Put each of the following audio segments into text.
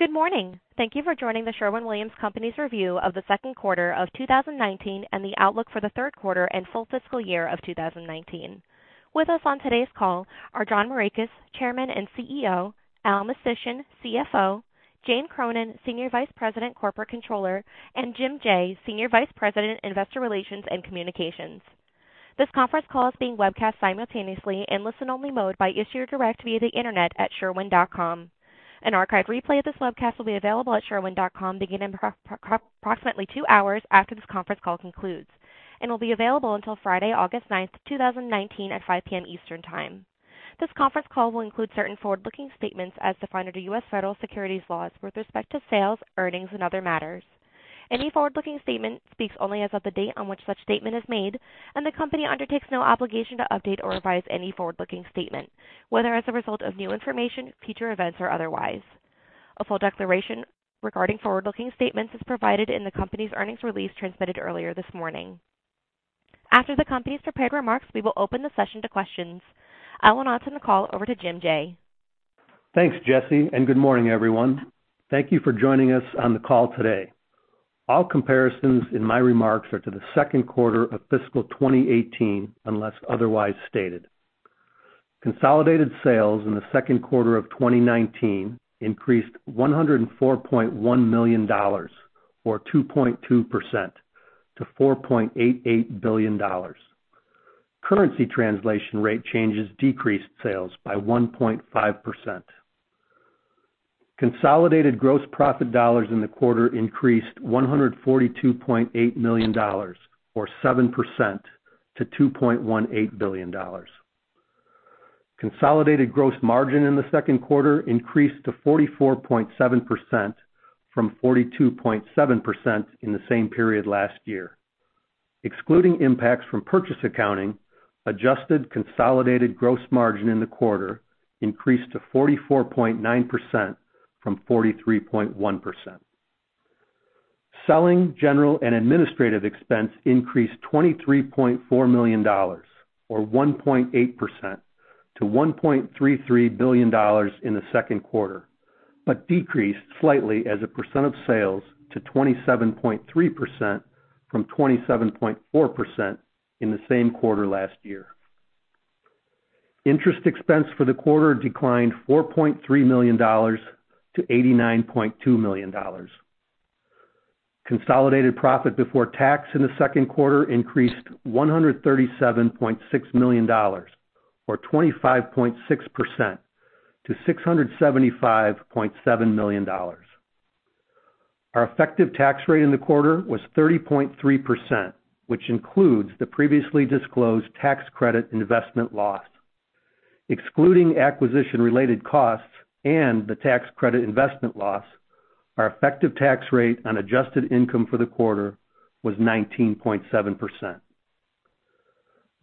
Good morning. Thank you for joining The Sherwin-Williams Company's review of the second quarter of 2019 and the outlook for the third quarter and full fiscal year of 2019. With us on today's call are John Morikis, Chairman and CEO, Allen Mistysyn, CFO, Jane Cronin, Senior Vice President Corporate Controller, and Jim Jaye, Senior Vice President, Investor Relations and Communications. This conference call is being webcast simultaneously in listen-only mode by Issuer Direct via the internet at sherwin.com. An archive replay of this webcast will be available at sherwin.com beginning approximately two hours after this conference call concludes and will be available until Friday, August 9th, 2019, at 5:00 P.M. Eastern Time. This conference call will include certain forward-looking statements as defined under U.S. federal securities laws with respect to sales, earnings, and other matters. Any forward-looking statement speaks only as of the date on which such statement is made, and the company undertakes no obligation to update or revise any forward-looking statement, whether as a result of new information, future events, or otherwise. A full declaration regarding forward-looking statements is provided in the company's earnings release transmitted earlier this morning. After the company's prepared remarks, we will open the session to questions. I will now turn the call over to Jim Jaye. Thanks, Jesse. Good morning, everyone. Thank you for joining us on the call today. All comparisons in my remarks are to the second quarter of Fiscal 2018, unless otherwise stated. Consolidated sales in the second quarter of 2019 increased $104.1 million, or 2.2%, to $4.88 billion. Currency translation rate changes decreased sales by 1.5%. Consolidated gross profit dollars in the quarter increased $142.8 million or 7% to $2.18 billion. Consolidated gross margin in the second quarter increased to 44.7% from 42.7% in the same period last year. Excluding impacts from purchase accounting, adjusted consolidated gross margin in the quarter increased to 44.9% from 43.1%. Selling, general, and administrative expense increased $23.4 million, or 1.8%, to $1.33 billion in the second quarter, but decreased slightly as a % of sales to 27.3% from 27.4% in the same quarter last year. Interest expense for the quarter declined $4.3 million to $89.2 million. Consolidated profit before tax in the second quarter increased $137.6 million, or 25.6%, to $675.7 million. Our effective tax rate in the quarter was 30.3%, which includes the previously disclosed tax credit investment loss. Excluding acquisition-related costs and the tax credit investment loss, our effective tax rate on adjusted income for the quarter was 19.7%.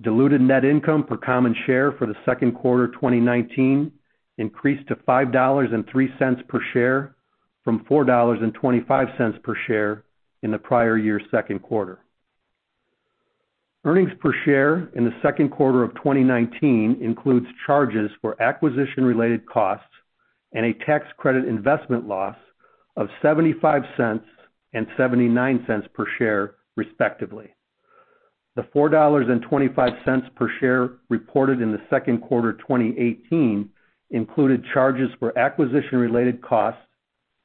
Diluted net income per common share for the second quarter 2019 increased to $5.03 per share from $4.25 per share in the prior year second quarter. Earnings per share in the second quarter of 2019 includes charges for acquisition-related costs and a tax credit investment loss of $0.75 and $0.79 per share, respectively. The $4.25 per share reported in the second quarter 2018 included charges for acquisition-related costs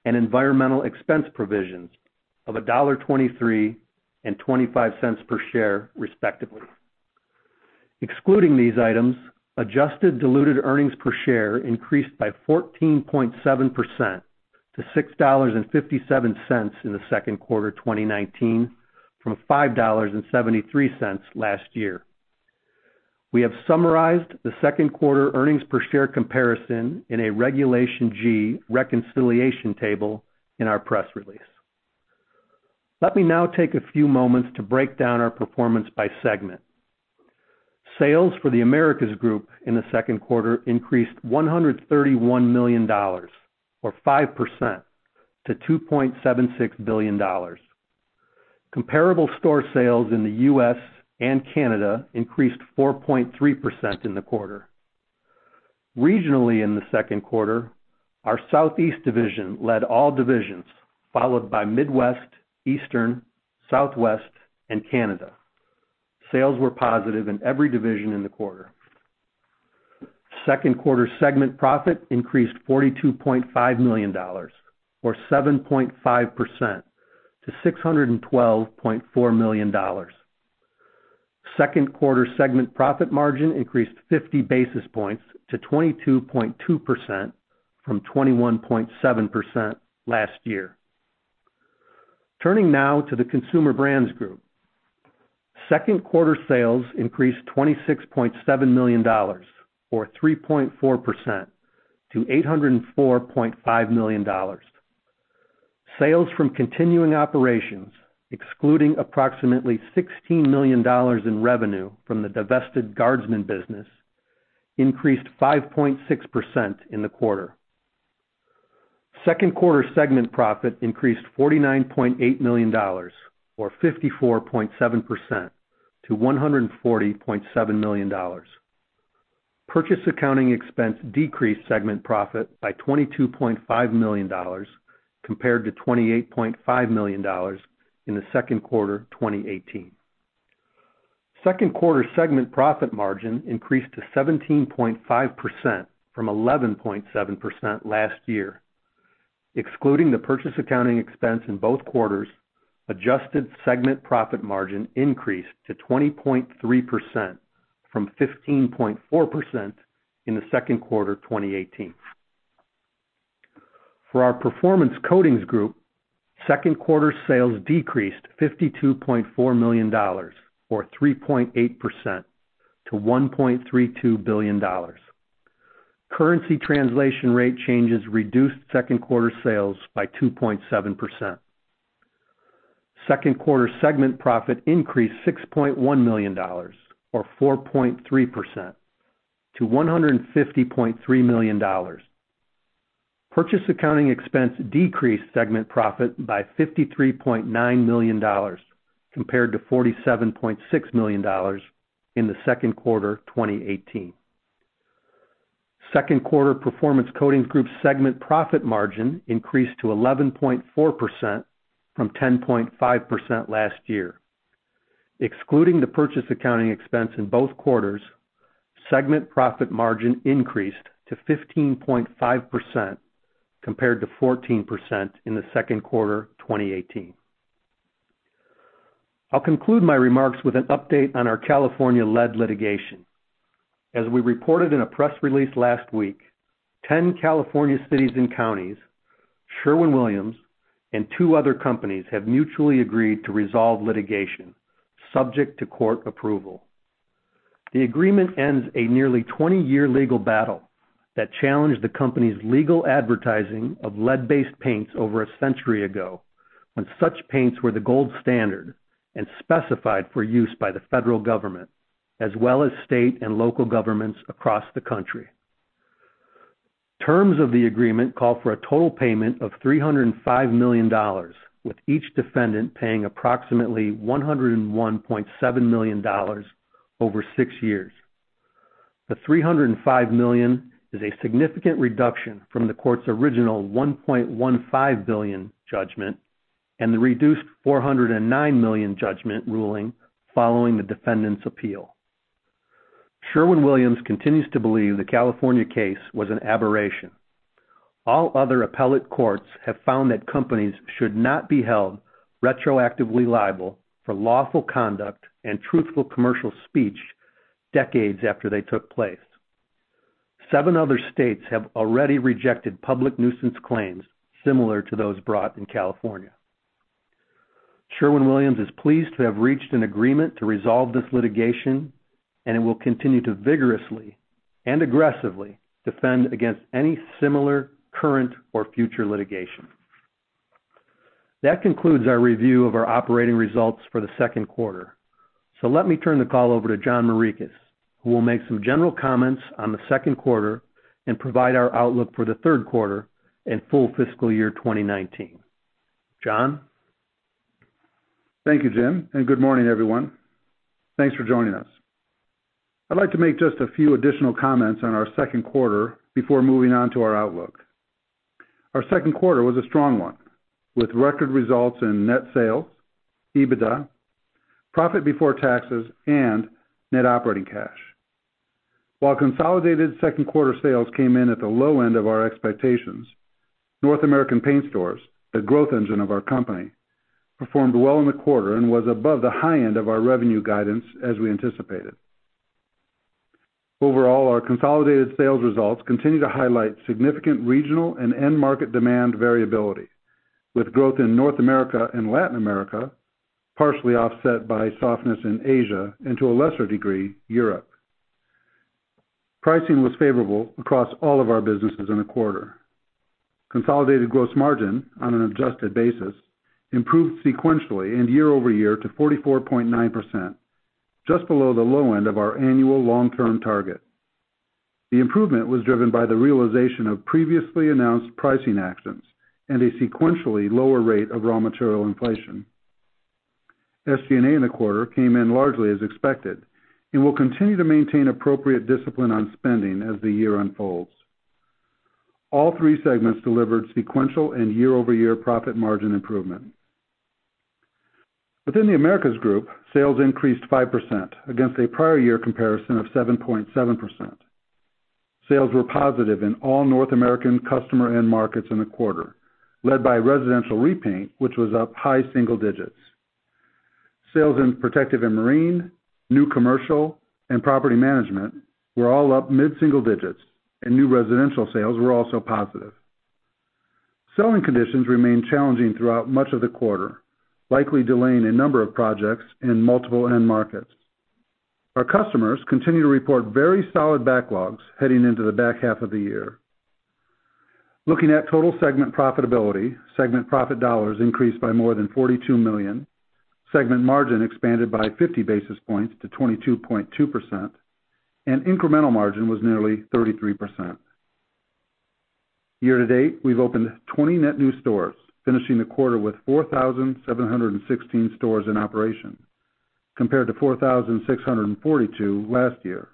and environmental expense provisions of $1.23 and $0.25 per share, respectively. Excluding these items, adjusted diluted earnings per share increased by 14.7% to $6.57 in the second quarter 2019 from $5.73 last year. We have summarized the second quarter earnings per share comparison in a Regulation G reconciliation table in our press release. Let me now take a few moments to break down our performance by segment. Sales for the Americas Group in the second quarter increased $131 million, or 5%, to $2.76 billion. Comparable store sales in the U.S. and Canada increased 4.3% in the quarter. Regionally, in the second quarter, our Southeast division led all divisions, followed by Midwest, Eastern, Southwest, and Canada. Sales were positive in every division in the quarter. Second quarter segment profit increased $42.5 million, or 7.5%, to $612.4 million. Second-quarter segment profit margin increased 50 basis points to 22.2% from 21.7% last year. Turning now to the Consumer Brands Group. Second-quarter sales increased $26.7 million or 3.4% to $804.5 million. Sales from continuing operations, excluding approximately $16 million in revenue from the divested Guardsman business, increased 5.6% in the quarter. Second-quarter segment profit increased $49.8 million, or 54.7%, to $140.7 million. Purchase accounting expense decreased segment profit by $22.5 million compared to $28.5 million in the second quarter 2018. Second quarter segment profit margin increased to 17.5% from 11.7% last year. Excluding the purchase accounting expense in both quarters, adjusted segment profit margin increased to 20.3% from 15.4% in the second quarter 2018. For our Performance Coatings Group, second quarter sales decreased $52.4 million or 3.8% to $1.32 billion. Currency translation rate changes reduced second quarter sales by 2.7%. Second quarter segment profit increased $6.1 million or 4.3% to $150.3 million. Purchase accounting expense decreased segment profit by $53.9 million compared to $47.6 million in the second quarter 2018. Second quarter Performance Coatings Group segment profit margin increased to 11.4% from 10.5% last year. Excluding the purchase accounting expense in both quarters, segment profit margin increased to 15.5% compared to 14% in the second quarter 2018. I'll conclude my remarks with an update on our California lead litigation. As we reported in a press release last week, 10 California cities and counties, Sherwin-Williams, and two other companies have mutually agreed to resolve litigation subject to court approval. The agreement ends a nearly 20-year legal battle that challenged the company's legal advertising of lead-based paints over a century ago, when such paints were the gold standard and specified for use by the federal government, as well as state and local governments across the country. Terms of the agreement call for a total payment of $305 million, with each defendant paying approximately $101.7 million over six years. The $305 million is a significant reduction from the court's original $1.15 billion judgment and the reduced $409 million judgment ruling following the defendant's appeal. Sherwin-Williams continues to believe the California case was an aberration. All other appellate courts have found that companies should not be held retroactively liable for lawful conduct and truthful commercial speech decades after they took place. Seven other states have already rejected public nuisance claims similar to those brought in California. Sherwin-Williams is pleased to have reached an agreement to resolve this litigation, and it will continue to vigorously and aggressively defend against any similar current or future litigation. That concludes our review of our operating results for the second quarter. Let me turn the call over to John Morikis, who will make some general comments on the second quarter and provide our outlook for the third quarter and full fiscal year 2019. John? Thank you, Jim, and good morning, everyone. Thanks for joining us. I'd like to make just a few additional comments on our second quarter before moving on to our outlook. Our second quarter was a strong one with record results in net sales, EBITDA, profit before taxes, and net operating cash. While consolidated second quarter sales came in at the low end of our expectations, North American Paint Stores, the growth engine of our company, performed well in the quarter and was above the high end of our revenue guidance as we anticipated. Overall, our consolidated sales results continue to highlight significant regional and end market demand variability, with growth in North America and Latin America partially offset by softness in Asia, and to a lesser degree, Europe. Pricing was favorable across all of our businesses in the quarter. Consolidated gross margin on an adjusted basis improved sequentially and year-over-year to 44.9%, just below the low end of our annual long-term target. The improvement was driven by the realization of previously announced pricing actions and a sequentially lower rate of raw material inflation. SG&A in the quarter came in largely as expected and will continue to maintain appropriate discipline on spending as the year unfolds. All three segments delivered sequential and year-over-year profit margin improvement. Within the Americas Group, sales increased 5% against a prior year comparison of 7.7%. Sales were positive in all North American customer end markets in the quarter, led by residential repaint, which was up high single-digits. Sales in Protective and Marine, new commercial, and property management were all up mid-single-digits, and new residential sales were also positive. Selling conditions remained challenging throughout much of the quarter, likely delaying a number of projects in multiple end markets. Our customers continue to report very solid backlogs heading into the back half of the year. Looking at total segment profitability, segment profit dollars increased by more than $42 million, segment margin expanded by 50 basis points to 22.2%, and incremental margin was nearly 33%. Year-to-date, we've opened 20 net new stores, finishing the quarter with 4,716 stores in operation, compared to 4,642 last year.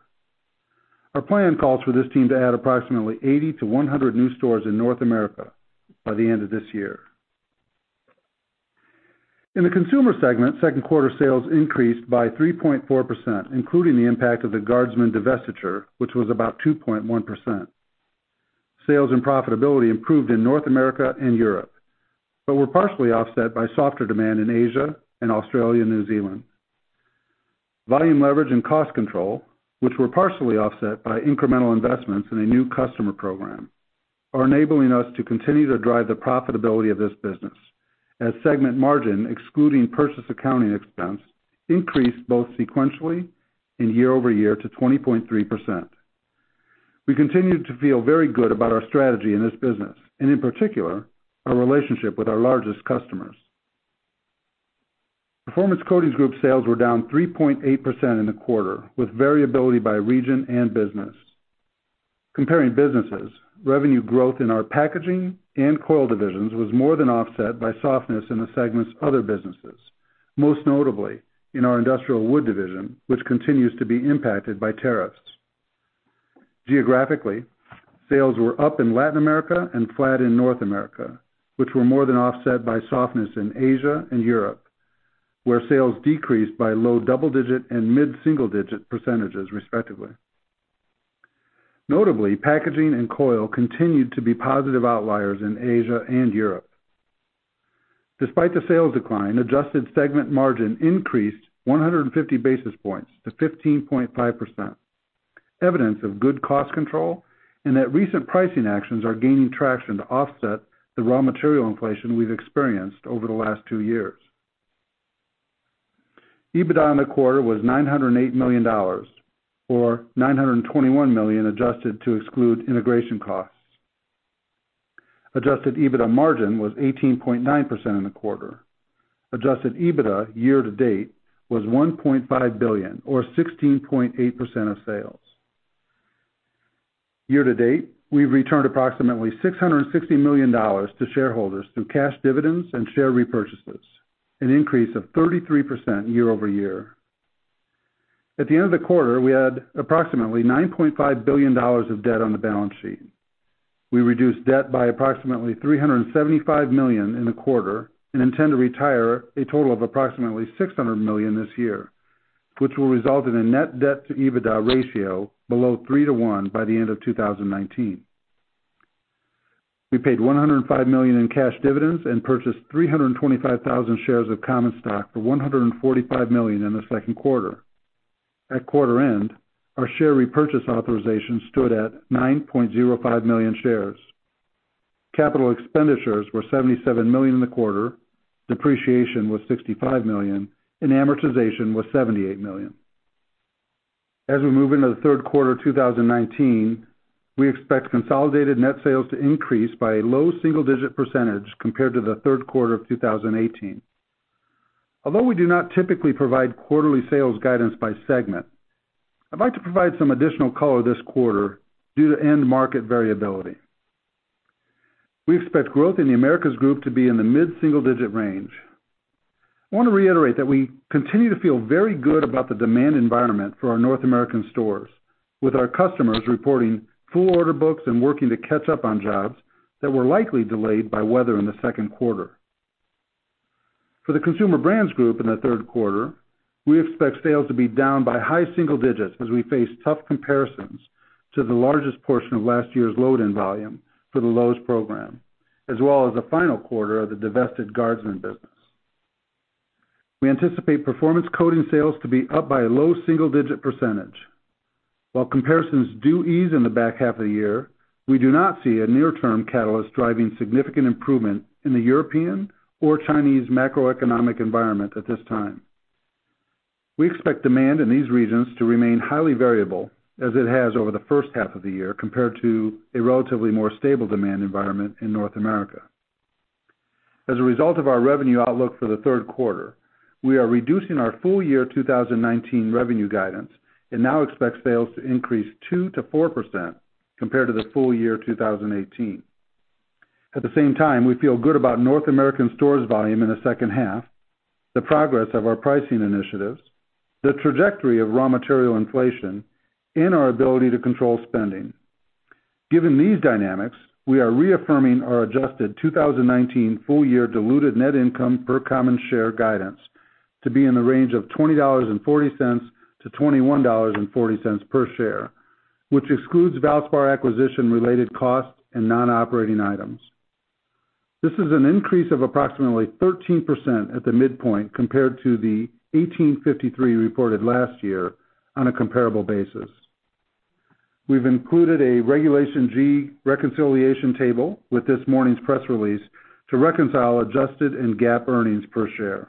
Our plan calls for this team to add approximately 80 to 100 new stores in North America by the end of this year. In the consumer segment, second quarter sales increased by 3.4%, including the impact of the Guardsman divestiture, which was about 2.1%. Sales and profitability improved in North America and Europe, but were partially offset by softer demand in Asia and Australia and New Zealand. Volume leverage and cost control, which were partially offset by incremental investments in a new customer program, are enabling us to continue to drive the profitability of this business, as segment margin, excluding purchase accounting expense, increased both sequentially and year-over-year to 20.3%. We continue to feel very good about our strategy in this business, and in particular, our relationship with our largest customers. Performance Coatings Group sales were down 3.8% in the quarter, with variability by region and business. Comparing businesses, revenue growth in our packaging and coil divisions was more than offset by softness in the segment's other businesses, most notably in our industrial wood division, which continues to be impacted by tariffs. Geographically, sales were up in Latin America and flat in North America, which were more than offset by softness in Asia and Europe, where sales decreased by low double-digit and mid-single-digit percentage respectively. Notably, packaging and coil continued to be positive outliers in Asia and Europe. Despite the sales decline, adjusted segment margin increased 150 basis points to 15.5%, evidence of good cost control and that recent pricing actions are gaining traction to offset the raw material inflation we've experienced over the last two years. EBITDA in the quarter was $908 million, or $921 million adjusted to exclude integration costs. Adjusted EBITDA margin was 18.9% in the quarter. Adjusted EBITDA year-to-date was $1.5 billion, or 16.8% of sales. Year-to-date, we've returned approximately $660 million to shareholders through cash dividends and share repurchases, an increase of 33% year-over-year. At the end of the quarter, we had approximately $9.5 billion of debt on the balance sheet. We reduced debt by approximately $375 million in the quarter and intend to retire a total of approximately $600 million this year, which will result in a net debt to EBITDA ratio below 3:1 by the end of 2019. We paid $105 million in cash dividends and purchased 325,000 shares of common stock for $145 million in the second quarter. At quarter end, our share repurchase authorization stood at 9.05 million shares. Capital expenditures were $77 million in the quarter, depreciation was $65 million, and amortization was $78 million. As we move into the third quarter 2019, we expect consolidated net sales to increase by a low single-digit percentage compared to the third quarter of 2018. Although we do not typically provide quarterly sales guidance by segment, I'd like to provide some additional color this quarter due to end market variability. We expect growth in the Americas Group to be in the mid-single digit range. I want to reiterate that we continue to feel very good about the demand environment for our North American stores, with our customers reporting full order books and working to catch up on jobs that were likely delayed by weather in the second quarter. For the Consumer Brands Group in the third quarter, we expect sales to be down by high single-digits as we face tough comparisons to the largest portion of last year's load-in volume for the Lowe's program, as well as the final quarter of the divested Guardsman business. We anticipate Performance Coatings sales to be up by a low single-digit percentage. While comparisons do ease in the back half of the year, we do not see a near-term catalyst driving significant improvement in the European or Chinese macroeconomic environment at this time. We expect demand in these regions to remain highly variable as it has over the first half of the year compared to a relatively more stable demand environment in North America. As a result of our revenue outlook for the third quarter, we are reducing our full-year 2019 revenue guidance and now expect sales to increase 2%-4% compared to the full-year 2018. At the same time, we feel good about North American stores volume in the second half, the progress of our pricing initiatives, the trajectory of raw material inflation, and our ability to control spending. Given these dynamics, we are reaffirming our adjusted 2019 full-year diluted net income per common share guidance to be in the range of $20.40-$21.40 per share, which excludes Valspar acquisition related costs and non-operating items. This is an increase of approximately 13% at the midpoint compared to the $18.53 reported last year on a comparable basis. We've included a Regulation G reconciliation table with this morning's press release to reconcile adjusted and GAAP earnings per share.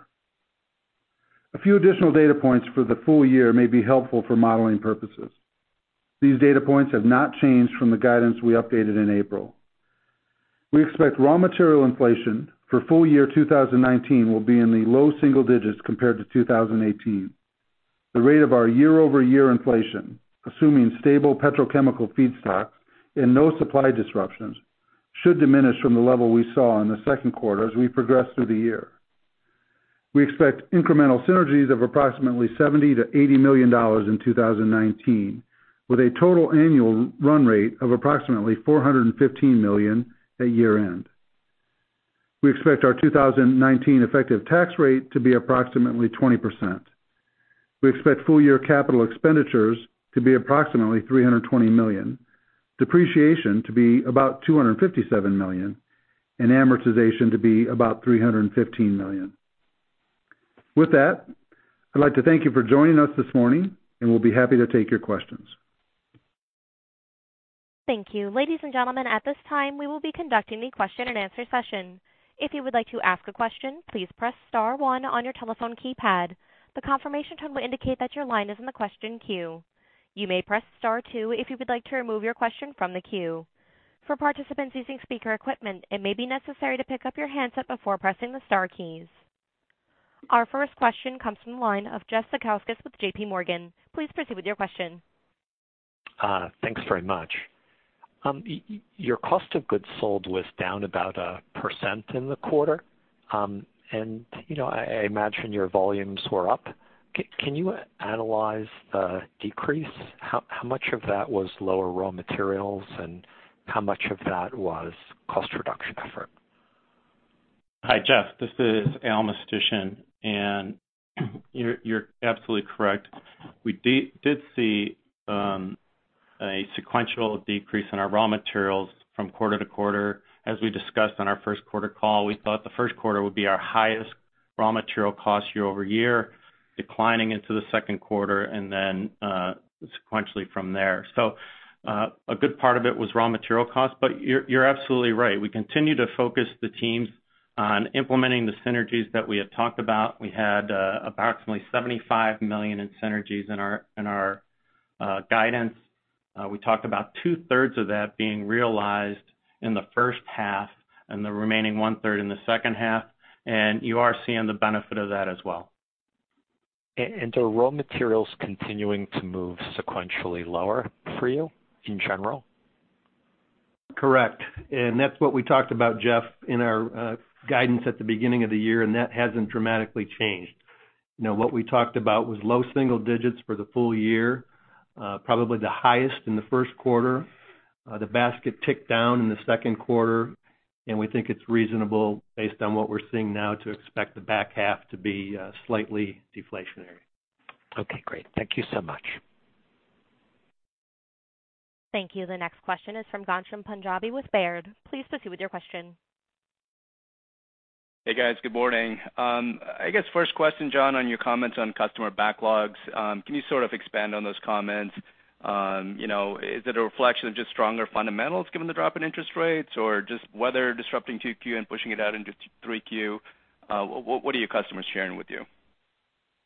A few additional data points for the full year may be helpful for modeling purposes. These data points have not changed from the guidance we updated in April. We expect raw material inflation for full-year 2019 will be in the low single digits compared to 2018. The rate of our year-over-year inflation, assuming stable petrochemical feedstocks and no supply disruptions, should diminish from the level we saw in the second quarter as we progress through the year. We expect incremental synergies of approximately $70 million-$80 million in 2019, with a total annual run rate of approximately $415 million at year-end. We expect our 2019 effective tax rate to be approximately 20%. We expect full-year capital expenditures to be approximately $320 million, depreciation to be about $257 million, and amortization to be about $315 million. With that, I'd like to thank you for joining us this morning, and we'll be happy to take your questions. Thank you. Ladies and gentlemen, at this time, we will be conducting the question-and-answer session. If you would like to ask a question, please press star one on your telephone keypad. The confirmation tone will indicate that your line is in the question queue. You may press star two if you would like to remove your question from the queue. For participants using speaker equipment, it may be necessary to pick up your handset before pressing the star keys. Our first question comes from the line of Jeff Zekauskas with JPMorgan. Please proceed with your question. Thanks very much. Your cost of goods sold was down about 1% in the quarter. I imagine your volumes were up. Can you analyze the decrease? How much of that was lower raw materials, and how much of that was cost reduction effort? Hi, Jeff. This is Allen Mistysyn, and you're absolutely correct. We did see a sequential decrease in our raw materials from quarter-to-quarter. As we discussed on our first quarter call, we thought the first quarter would be our highest raw material cost year-over-year, declining into the second quarter, then sequentially from there. A good part of it was raw material cost, but you're absolutely right. We continue to focus the teams on implementing the synergies that we had talked about. We had approximately $75 million in synergies in our guidance. We talked about 2/3 of that being realized in the first half and the remaining 1/3 in the second half, you are seeing the benefit of that as well. Are raw materials continuing to move sequentially lower for you in general? Correct. That's what we talked about, Jeff, in our guidance at the beginning of the year, and that hasn't dramatically changed. What we talked about was low single digits for the full-year, probably the highest in the first quarter. The basket ticked down in the second quarter, and we think it's reasonable based on what we're seeing now to expect the back half to be slightly deflationary. Okay, great. Thank you so much. Thank you. The next question is from Ghansham Panjabi with Baird. Please proceed with your question. Hey, guys. Good morning. I guess first question, John, on your comments on customer backlogs, can you sort of expand on those comments? Is it a reflection of just stronger fundamentals given the drop in interest rates, or just weather disrupting 2Q and pushing it out into 3Q? What are your customers sharing with you?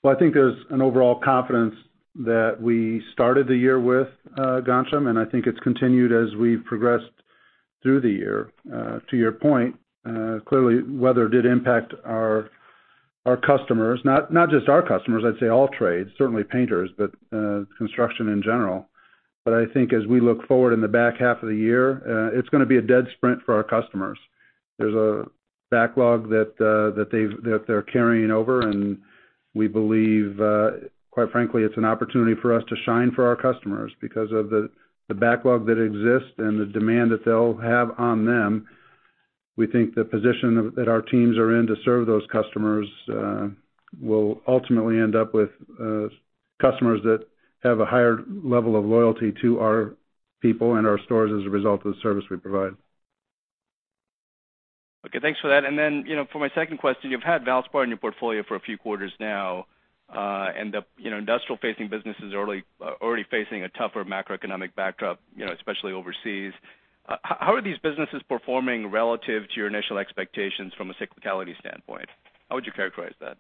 I think there's an overall confidence that we started the year with, Ghansham, it's continued as we've progressed through the year. To your point, clearly weather did impact our customers. Not just our customers, I'd say all trades, certainly painters, but construction in general. I think as we look forward in the back half of the year, it's gonna be a dead sprint for our customers. There's a backlog that they're carrying over, we believe, quite frankly, it's an opportunity for us to shine for our customers. Because of the backlog that exists and the demand that they'll have on them, we think the position that our teams are in to serve those customers will ultimately end up with customers that have a higher level of loyalty to our people and our stores as a result of the service we provide. Thanks for that. For my second question, you've had Valspar in your portfolio for a few quarters now. The industrial facing businesses are already facing a tougher macroeconomic backdrop, especially overseas. How are these businesses performing relative to your initial expectations from a cyclicality standpoint? How would you characterize that?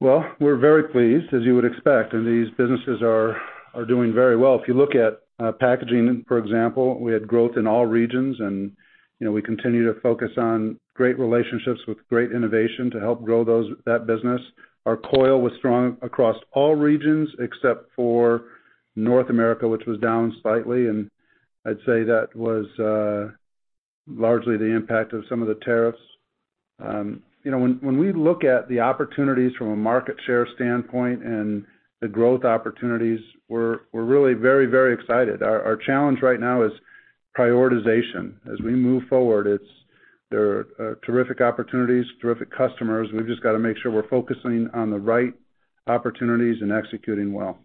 Well, we're very pleased, as you would expect, and these businesses are doing very well. If you look at packaging, for example, we had growth in all regions, and we continue to focus on great relationships with great innovation to help grow that business. Our coil was strong across all regions except for North America, which was down slightly, and I'd say that was largely the impact of some of the tariffs. When we look at the opportunities from a market share standpoint and the growth opportunities, we're really very excited. Our challenge right now is prioritization. As we move forward, there are terrific opportunities, terrific customers. We've just got to make sure we're focusing on the right opportunities and executing well.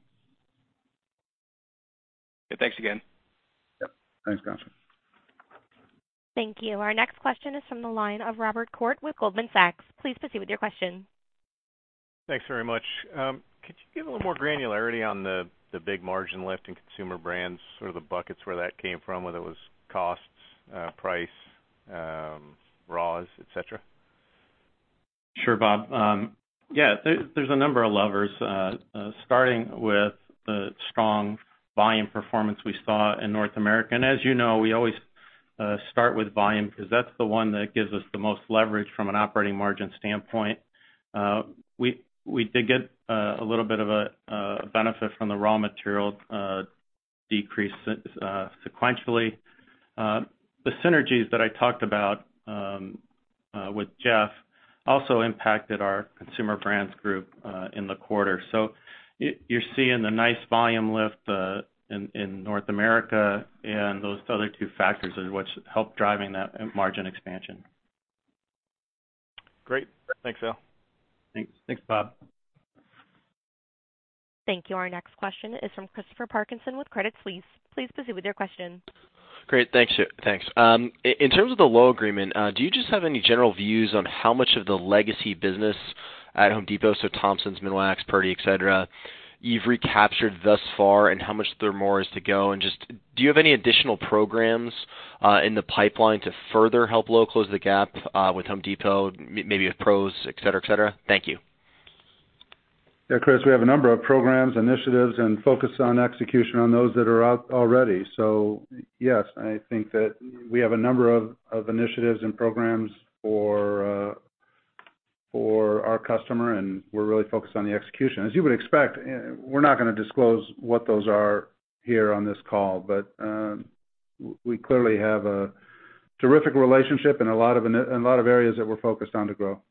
Okay, thanks again. Yep. Thanks, Ghansham. Thank you. Our next question is from the line of Robert Koort with Goldman Sachs. Please proceed with your question. Thanks very much. Could you give a little more granularity on the big margin lift in consumer brands, sort of the buckets where that came from, whether it was costs, price, raws, et cetera? Sure, Bob. Yeah, there's a number of levers. Starting with the strong volume performance we saw in North America. As you know, we always start with volume because that's the one that gives us the most leverage from an operating margin standpoint. We did get a little bit of a benefit from the raw material decrease sequentially. The synergies that I talked about with Jeff also impacted our Consumer Brands Group in the quarter. You're seeing the nice volume lift in North America and those other two factors are what's help driving that margin expansion. Great. Thanks, Allen. Thanks, Bob. Thank you. Our next question is from Christopher Parkinson with Credit Suisse. Please proceed with your question. Great. Thanks. In terms of the Lowe's agreement, do you just have any general views on how much of the legacy business at Home Depot, so Thompson's, Minwax, Purdy, et cetera, you've recaptured thus far? How much there more is to go? Just, do you have any additional programs in the pipeline to further help Lowe's close the gap with Home Depot, maybe with Pros, et cetera? Thank you. Yeah, Chris, we have a number of programs, initiatives, and focus on execution on those that are out already. Yes, I think that we have a number of initiatives and programs for our customer, and we're really focused on the execution. As you would expect, we're not going to disclose what those are here on this call. We clearly have a terrific relationship and a lot of areas that we're focused on to grow.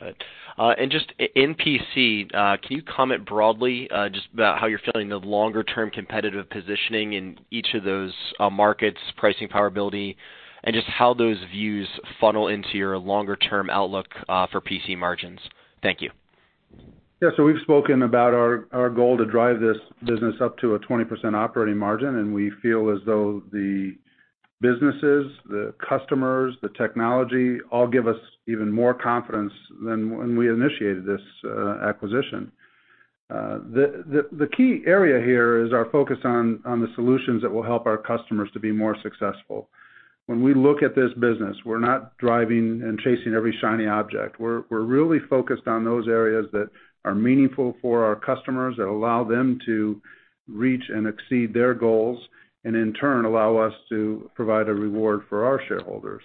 Got it. Just in PC, can you comment broadly just about how you're feeling the longer-term competitive positioning in each of those markets, pricing power ability, and just how those views funnel into your longer-term outlook for PC margins? Thank you. We've spoken about our goal to drive this business up to a 20% operating margin, and we feel as though the businesses, the customers, the technology, all give us even more confidence than when we initiated this acquisition. The key area here is our focus on the solutions that will help our customers to be more successful. When we look at this business, we're not driving and chasing every shiny object. We're really focused on those areas that are meaningful for our customers, that allow them to reach and exceed their goals, and in turn, allow us to provide a reward for our shareholders.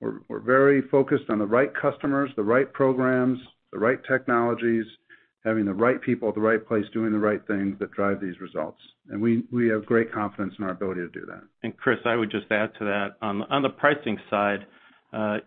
We're very focused on the right customers, the right programs, the right technologies, having the right people at the right place, doing the right things that drive these results. We have great confidence in our ability to do that. Chris, I would just add to that. On the pricing side,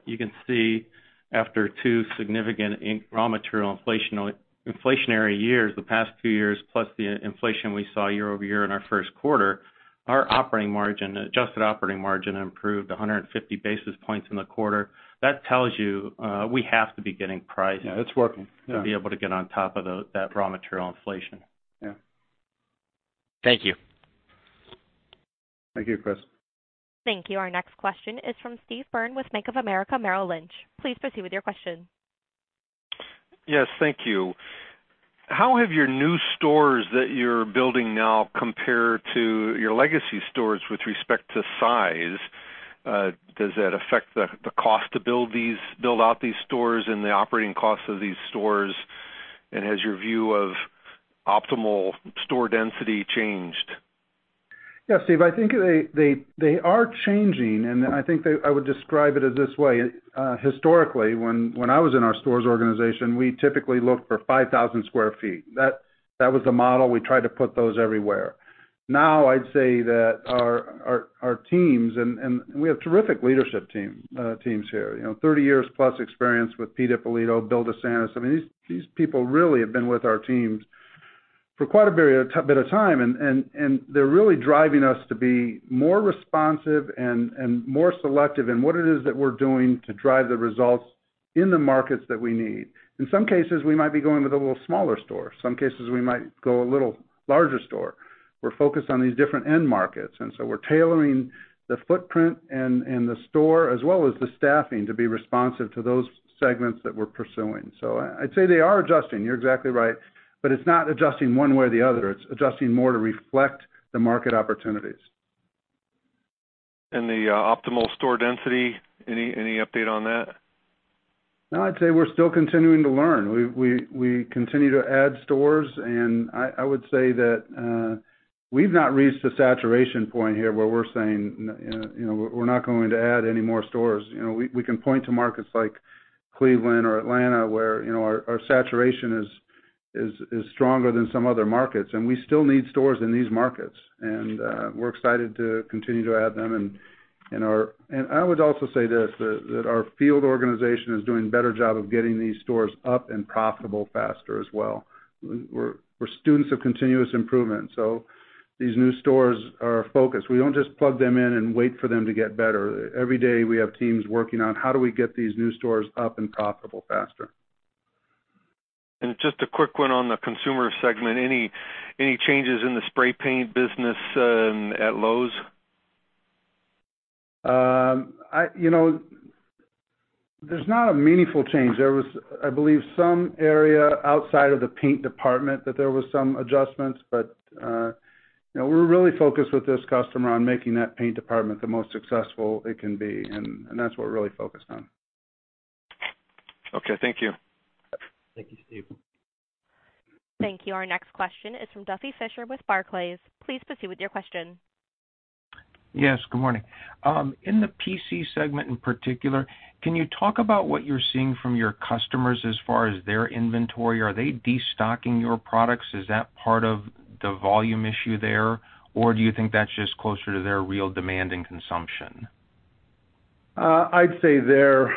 you can see after two significant raw material inflationary years, the past two years, plus the inflation we saw year-over-year in our first quarter, our adjusted operating margin improved 150 basis points in the quarter. That tells you, we have to be getting price- Yeah, it's working to be able to get on top of that raw material inflation. Yeah. Thank you. Thank you, Chris. Thank you. Our next question is from Steve Byrne with Bank of America Merrill Lynch. Please proceed with your question. Yes, thank you. How have your new stores that you're building now compare to your legacy stores with respect to size? Does that affect the cost to build out these stores and the operating cost of these stores? Has your view of optimal store density changed? Yeah, Steve, I think they are changing, and I think that I would describe it as this way. Historically, when I was in our stores organization, we typically looked for 5,000 sq ft. That was the model. We tried to put those everywhere. Now, I'd say that our teams, and we have terrific leadership teams here. 30 years plus experience with Pete Ippolito, Bill DeSantis. These people really have been with our teams for quite a bit of time, and they're really driving us to be more responsive and more selective in what it is that we're doing to drive the results in the markets that we need. In some cases, we might be going with a little smaller store. Some cases, we might go a little larger store. We're focused on these different end markets, and so we're tailoring the footprint and the store, as well as the staffing, to be responsive to those segments that we're pursuing. I'd say they are adjusting, you're exactly right, but it's not adjusting one way or the other. It's adjusting more to reflect the market opportunities. The optimal store density, any update on that? I'd say we're still continuing to learn. We continue to add stores, and I would say that we've not reached a saturation point here where we're saying, We're not going to add any more stores. We can point to markets like Cleveland or Atlanta where our saturation is stronger than some other markets, and we still need stores in these markets. We're excited to continue to add them, and I would also say this, that our field organization is doing a better job of getting these stores up and profitable faster as well. We're students of continuous improvement, so these new stores are our focus. We don't just plug them in and wait for them to get better. Every day, we have teams working on how do we get these new stores up and profitable faster. Just a quick one on the consumer segment. Any changes in the spray paint business at Lowe's? There's not a meaningful change. There was, I believe, some area outside of the paint department that there was some adjustments, but we're really focused with this customer on making that paint department the most successful it can be, and that's what we're really focused on. Okay, thank you. Thank you, Steve. Thank you. Our next question is from Duffy Fischer with Barclays. Please proceed with your question. Yes, good morning. In the PC segment in particular, can you talk about what you're seeing from your customers as far as their inventory? Are they de-stocking your products? Is that part of the volume issue there, or do you think that's just closer to their real demand and consumption? I'd say their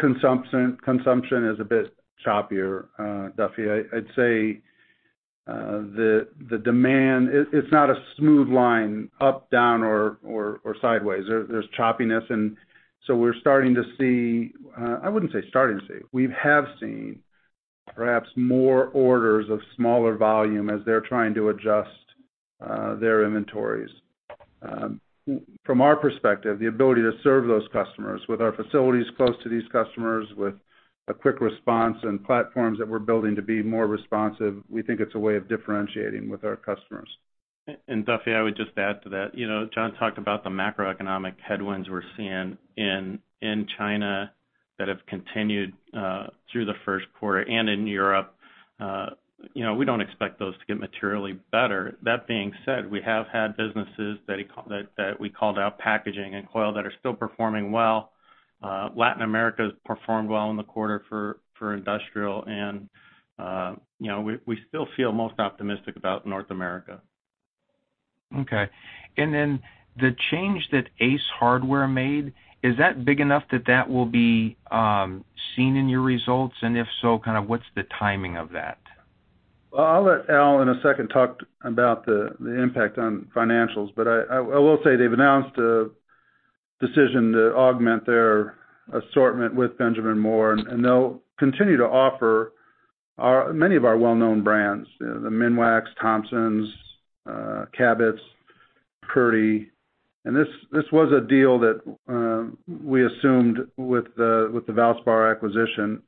consumption is a bit choppier, Duffy. I'd say the demand, it's not a smooth line up, down, or sideways. There's choppiness. We have seen perhaps more orders of smaller volume as they're trying to adjust their inventories. From our perspective, the ability to serve those customers with our facilities close to these customers, with a quick response and platforms that we're building to be more responsive, we think it's a way of differentiating with our customers. Duffy, I would just add to that. John talked about the macroeconomic headwinds we're seeing in China that have continued through the first quarter, and in Europe. We don't expect those to get materially better. That being said, we have had businesses that we called out, packaging and coil, that are still performing well. Latin America has performed well in the quarter for industrial, and we still feel most optimistic about North America. Okay. The change that Ace Hardware made, is that big enough that that will be seen in your results? If so, what's the timing of that? Well, I'll let Allen in a second talk about the impact on financials, but I will say they've announced a decision to augment their assortment with Benjamin Moore, and they'll continue to offer many of our well-known brands, the Minwax, Thompson's, Cabot, Purdy. This was a deal that we assumed with the Valspar acquisition.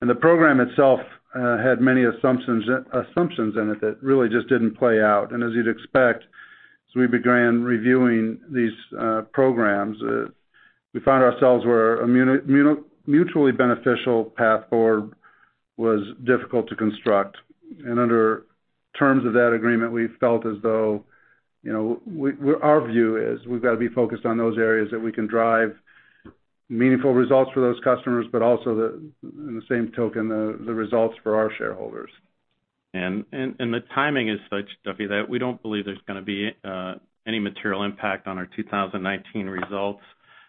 The program itself had many assumptions in it that really just didn't play out. As you'd expect, as we began reviewing these programs, we found ourselves where a mutually beneficial path forward was difficult to construct. Under terms of that agreement, our view is we've got to be focused on those areas that we can drive meaningful results for those customers, but also in the same token, the results for our shareholders. The timing is such, Duffy, that we don't believe there's going to be any material impact on our 2019 results.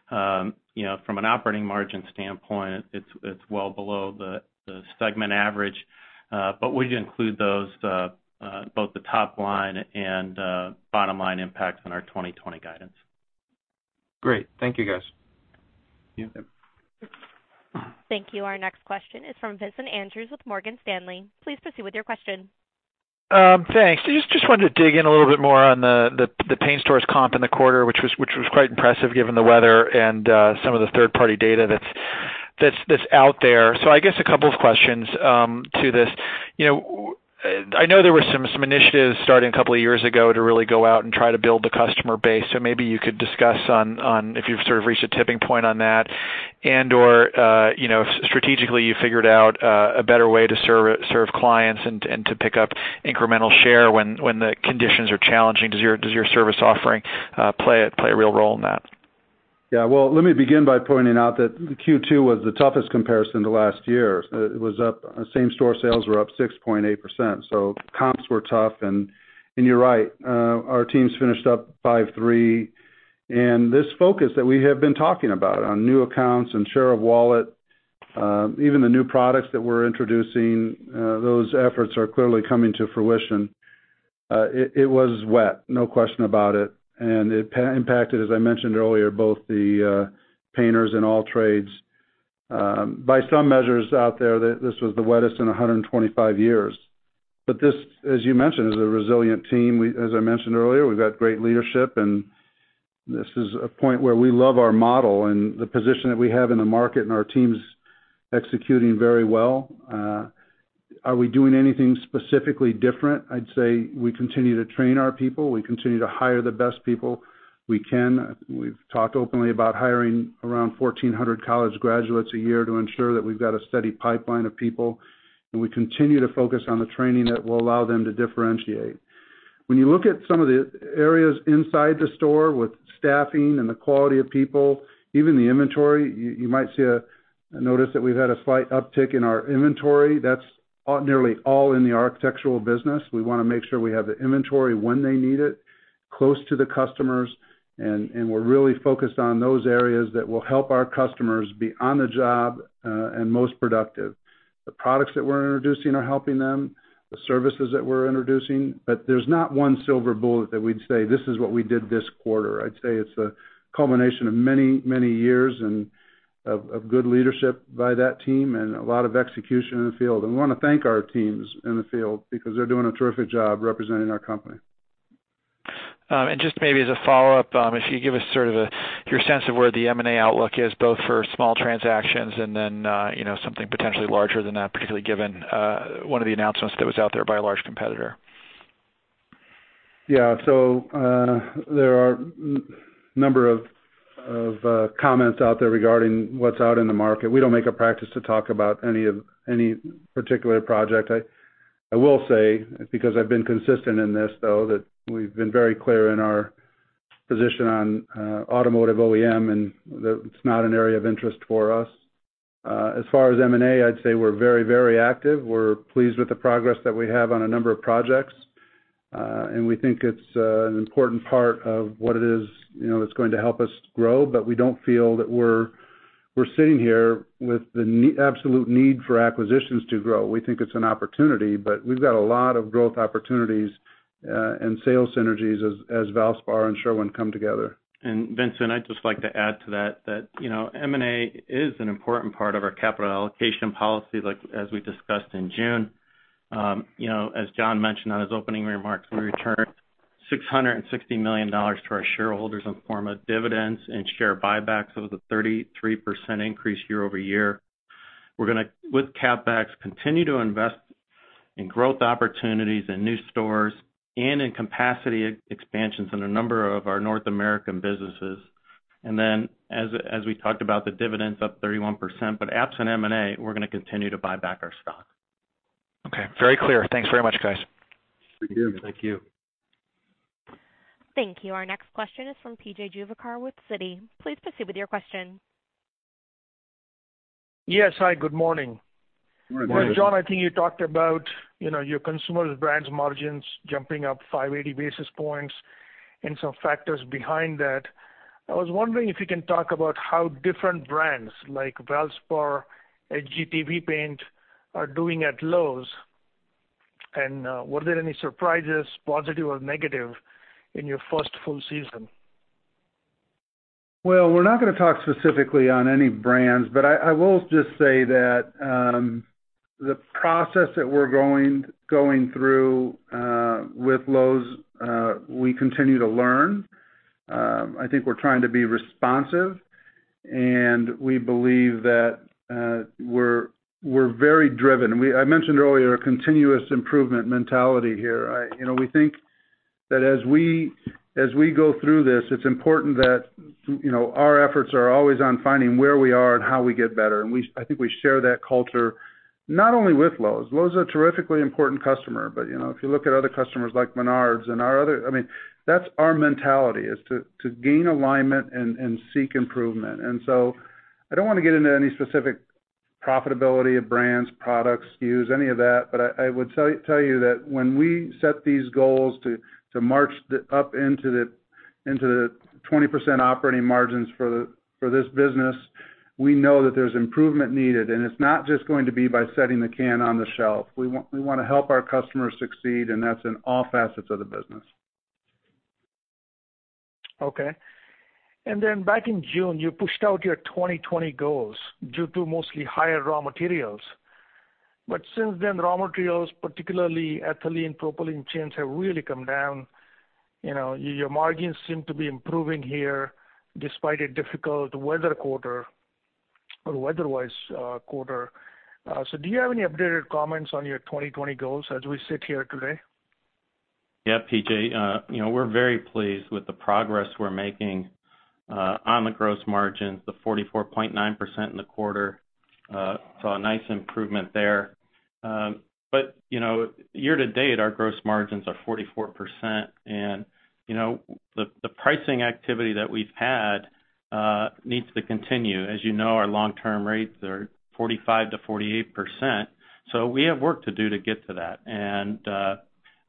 From an operating margin standpoint, it's well below the segment average. We include both the top line and bottom line impacts on our 2020 guidance. Great. Thank you, guys. Yeah. Yeah. Thank you. Our next question is from Vincent Andrews with Morgan Stanley. Please proceed with your question. Thanks. Just wanted to dig in a little bit more on the paint stores comp in the quarter, which was quite impressive given the weather and some of the third-party data that's out there. I guess a couple of questions to this. I know there were some initiatives starting a couple of years ago to really go out and try to build the customer base, so maybe you could discuss on if you've sort of reached a tipping point on that and/or strategically you figured out a better way to serve clients and to pick up incremental share when the conditions are challenging. Does your service offering play a real role in that? Yeah. Well, let me begin by pointing out that Q2 was the toughest comparison to last year. Same store sales were up 6.8%, comps were tough and you're right, our teams finished up 5.3%. This focus that we have been talking about on new accounts and share of wallet, even the new products that we're introducing, those efforts are clearly coming to fruition. It was wet, no question about it, and it impacted, as I mentioned earlier, both the painters and all trades. By some measures out there, this was the wettest in 125 years. This, as you mentioned, is a resilient team. As I mentioned earlier, we've got great leadership, and this is a point where we love our model and the position that we have in the market, and our team's executing very well. Are we doing anything specifically different? I'd say we continue to train our people. We continue to hire the best people we can. We've talked openly about hiring around 1,400 college graduates a year to ensure that we've got a steady pipeline of people. We continue to focus on the training that will allow them to differentiate. When you look at some of the areas inside the store with staffing and the quality of people, even the inventory, you might notice that we've had a slight uptick in our inventory. That's nearly all in the architectural business. We want to make sure we have the inventory when they need it, close to the customers. We're really focused on those areas that will help our customers be on the job and most productive. The products that we're introducing are helping them, the services that we're introducing, but there's not one silver bullet that we'd say, This is what we did this quarter. I'd say it's a culmination of many years and of good leadership by that team and a lot of execution in the field. We want to thank our teams in the field because they're doing a terrific job representing our company. Just maybe as a follow-up, if you could give us sort of your sense of where the M&A outlook is, both for small transactions and then something potentially larger than that, particularly given one of the announcements that was out there by a large competitor. Yeah. There are a number of comments out there regarding what's out in the market. We don't make a practice to talk about any particular project. I will say, because I've been consistent in this though, that we've been very clear in our position on automotive OEM, and that it's not an area of interest for us. As far as M&A, I'd say we're very active. We're pleased with the progress that we have on a number of projects. We think it's an important part of what it is that's going to help us grow. We don't feel that we're sitting here with the absolute need for acquisitions to grow. We think it's an opportunity, but we've got a lot of growth opportunities and sales synergies as Valspar and Sherwin come together. Vincent, I'd just like to add to that M&A is an important part of our capital allocation policy, as we discussed in June. As John mentioned on his opening remarks, we returned $660 million to our shareholders in form of dividends and share buybacks. That was a 33% increase year-over-year. We're going to, with CapEx, continue to invest in growth opportunities and new stores and in capacity expansions in a number of our North American businesses. As we talked about, the dividends up 31%. Absent M&A, we're going to continue to buy back our stock. Okay, very clear. Thanks very much, guys. Thank you. Thank you. Thank you. Our next question is from P.J. Juvekar with Citi. Please proceed with your question. Yes. Hi, good morning. Good morning. Morning. John, I think you talked about your Consumer Brands margins jumping up 580 basis points and some factors behind that. I was wondering if you can talk about how different brands like Valspar and HGTV paint are doing at Lowe's. Were there any surprises, positive or negative, in your first full season? Well, we're not going to talk specifically on any brands, but I will just say that the process that we're going through with Lowe's, we continue to learn. I think we're trying to be responsive, and we believe that we're very driven. I mentioned earlier, a continuous improvement mentality here. We think that as we go through this, it's important that our efforts are always on finding where we are and how we get better. I think we share that culture not only with Lowe's. Lowe's a terrifically important customer, but if you look at other customers like Menards, that's our mentality, is to gain alignment and seek improvement. I don't want to get into any specific profitability of brands, products, SKUs, any of that, but I would tell you that when we set these goals to march up into the 20% operating margins for this business, we know that there's improvement needed. It's not just going to be by setting the can on the shelf. We want to help our customers succeed, and that's in all facets of the business. Okay. Back in June, you pushed out your 2020 goals due to mostly higher raw materials. Since then, raw materials, particularly ethylene propylene chains, have really come down. Your margins seem to be improving here despite a difficult weather quarter, or weather-wise quarter. Do you have any updated comments on your 2020 goals as we sit here today? P.J., we're very pleased with the progress we're making on the gross margins, the 44.9% in the quarter. Saw a nice improvement there. Year-to-date, our gross margins are 44%. The pricing activity that we've had needs to continue. As you know, our long-term rates are 45%-48%, we have work to do to get to that.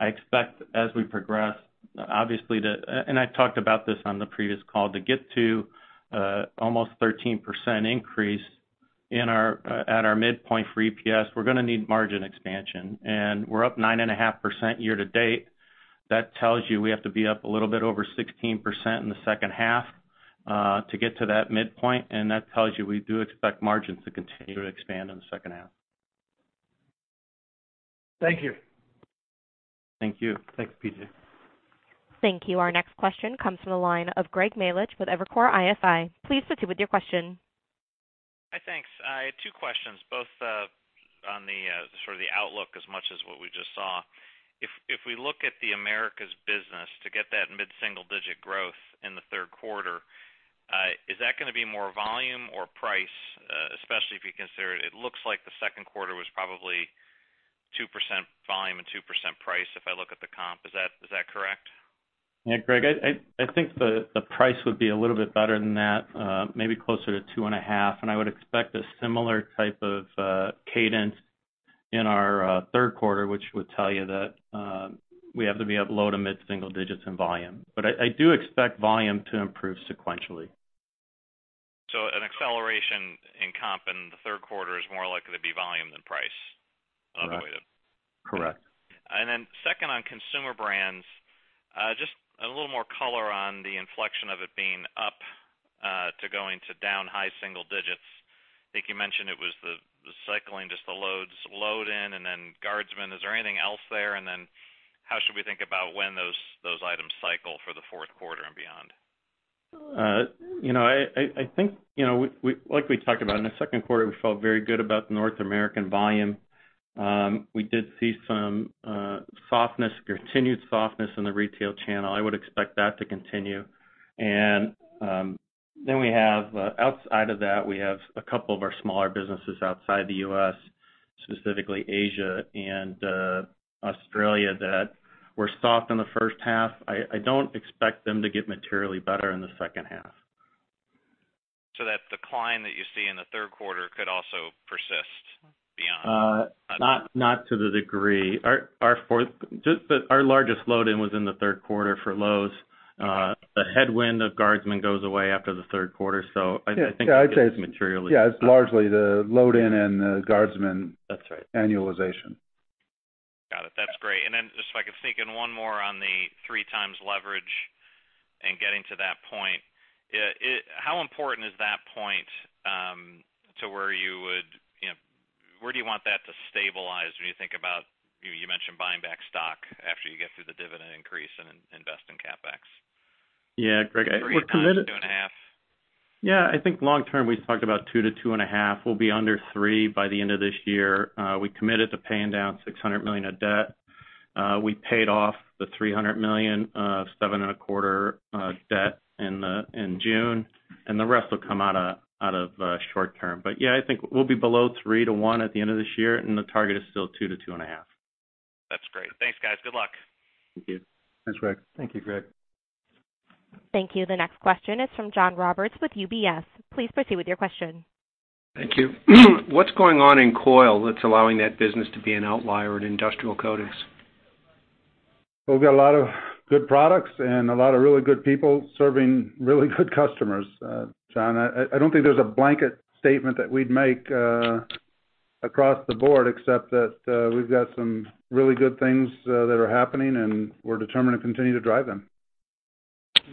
I expect as we progress, obviously to, and I talked about this on the previous call, to get to almost 13% increase at our midpoint for EPS, we're going to need margin expansion. We're up 9.5% year-to-date. That tells you we have to be up a little bit over 16% in the second half to get to that midpoint. That tells you we do expect margins to continue to expand in the second half. Thank you. Thank you. Thanks, P.J. Thank you. Our next question comes from the line of Greg Melich with Evercore ISI. Please proceed with your question. Hi, thanks. I had two questions, both on the sort of the outlook as much as what we just saw. If we look at the Americas business to get that mid-single-digit growth in the third quarter, is that going to be more volume or price? Especially if you consider it looks like the second quarter was probably 2% volume and 2% price if I look at the comp. Is that correct? Yeah, Greg, I think the price would be a little bit better than that, maybe closer to two and a half. I would expect a similar type of cadence in our third quarter, which would tell you that we have to be up low to mid-single digits in volume. I do expect volume to improve sequentially. An acceleration in comp in the third quarter is more likely to be volume than price. Correct. -unweighted. Correct. Second on Consumer Brands, just a little more color on the inflection of it being up to going to down high single-digits. I think you mentioned it was the cycling, just the load in and then Guardsman. Is there anything else there? How should we think about when those items cycle for the fourth quarter and beyond? I think, like we talked about in the second quarter, we felt very good about the North American volume. We did see some continued softness in the retail channel. I would expect that to continue. Outside of that, we have a couple of our smaller businesses outside the U.S., specifically Asia and Australia, that were soft in the first half. I don't expect them to get materially better in the second half. That decline that you see in the third quarter could also persist beyond? Not to the degree. Our largest load-in was in the third quarter for Lowe's. The headwind of Guardsman goes away after the third quarter, so I think it's. Yeah. It's largely the load-in and the Guardsman. That's right. annualization. Got it. That's great. Just so I can sneak in one more on the 3x leverage and getting to that point. How important is that point to where you want that to stabilize when you think about, you mentioned buying back stock after you get through the dividend increase and invest in CapEx? Yeah, Greg, we're committed. Three times, two and a half. Yeah, I think long-term, we've talked about 2 to 2.5. We'll be under 3 by the end of this year. We committed to paying down $600 million of debt. We paid off the $300 million of 7.25% debt in June, and the rest will come out of short term. Yeah, I think we'll be below 3:1 at the end of this year, and the target is still 2-2.5. That's great. Thanks, guys. Good luck. Thank you. Thanks, Greg. Thank you, Greg. Thank you. The next question is from John Roberts with UBS. Please proceed with your question. Thank you. What's going on in Coil that's allowing that business to be an outlier in Industrial Coatings? We got a lot of good products and a lot of really good people serving really good customers, John. I don't think there's a blanket statement that we'd make across the board, except that we've got some really good things that are happening. We're determined to continue to drive them.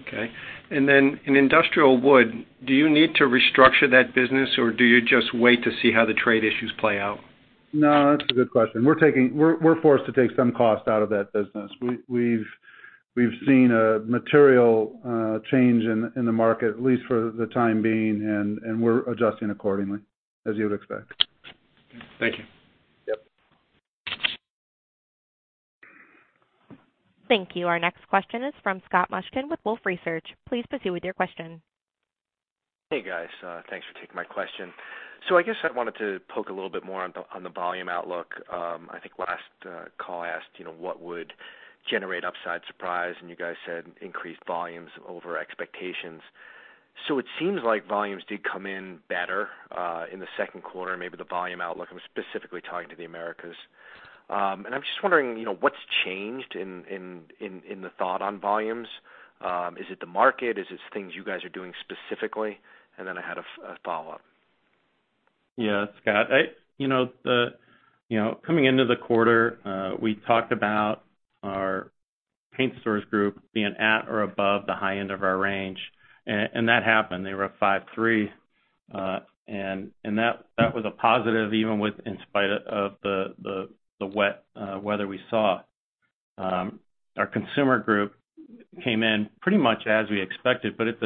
Okay. In Industrial Wood, do you need to restructure that business, or do you just wait to see how the trade issues play out? No, that's a good question. We're forced to take some cost out of that business. We've seen a material change in the market, at least for the time being, and we're adjusting accordingly, as you would expect. Thank you. Yep. Thank you. Our next question is from Scott Mushkin with Wolfe Research. Please proceed with your question. Hey, guys. Thanks for taking my question. I guess I wanted to poke a little bit more on the volume outlook. I think last call I asked, what would generate upside surprise, and you guys said increased volumes over expectations. It seems like volumes did come in better in the second quarter, maybe the volume outlook, I'm specifically talking to the Americas. I'm just wondering, what's changed in the thought on volumes? Is it the market? Is it things you guys are doing specifically? Then I had a follow-up. Scott. Coming into the quarter, we talked about our Paint Stores Group being at or above the high end of our range. That happened. They were at 5.3%. That was a positive even in spite of the wet weather we saw. Our Consumer Group came in pretty much as we expected. It's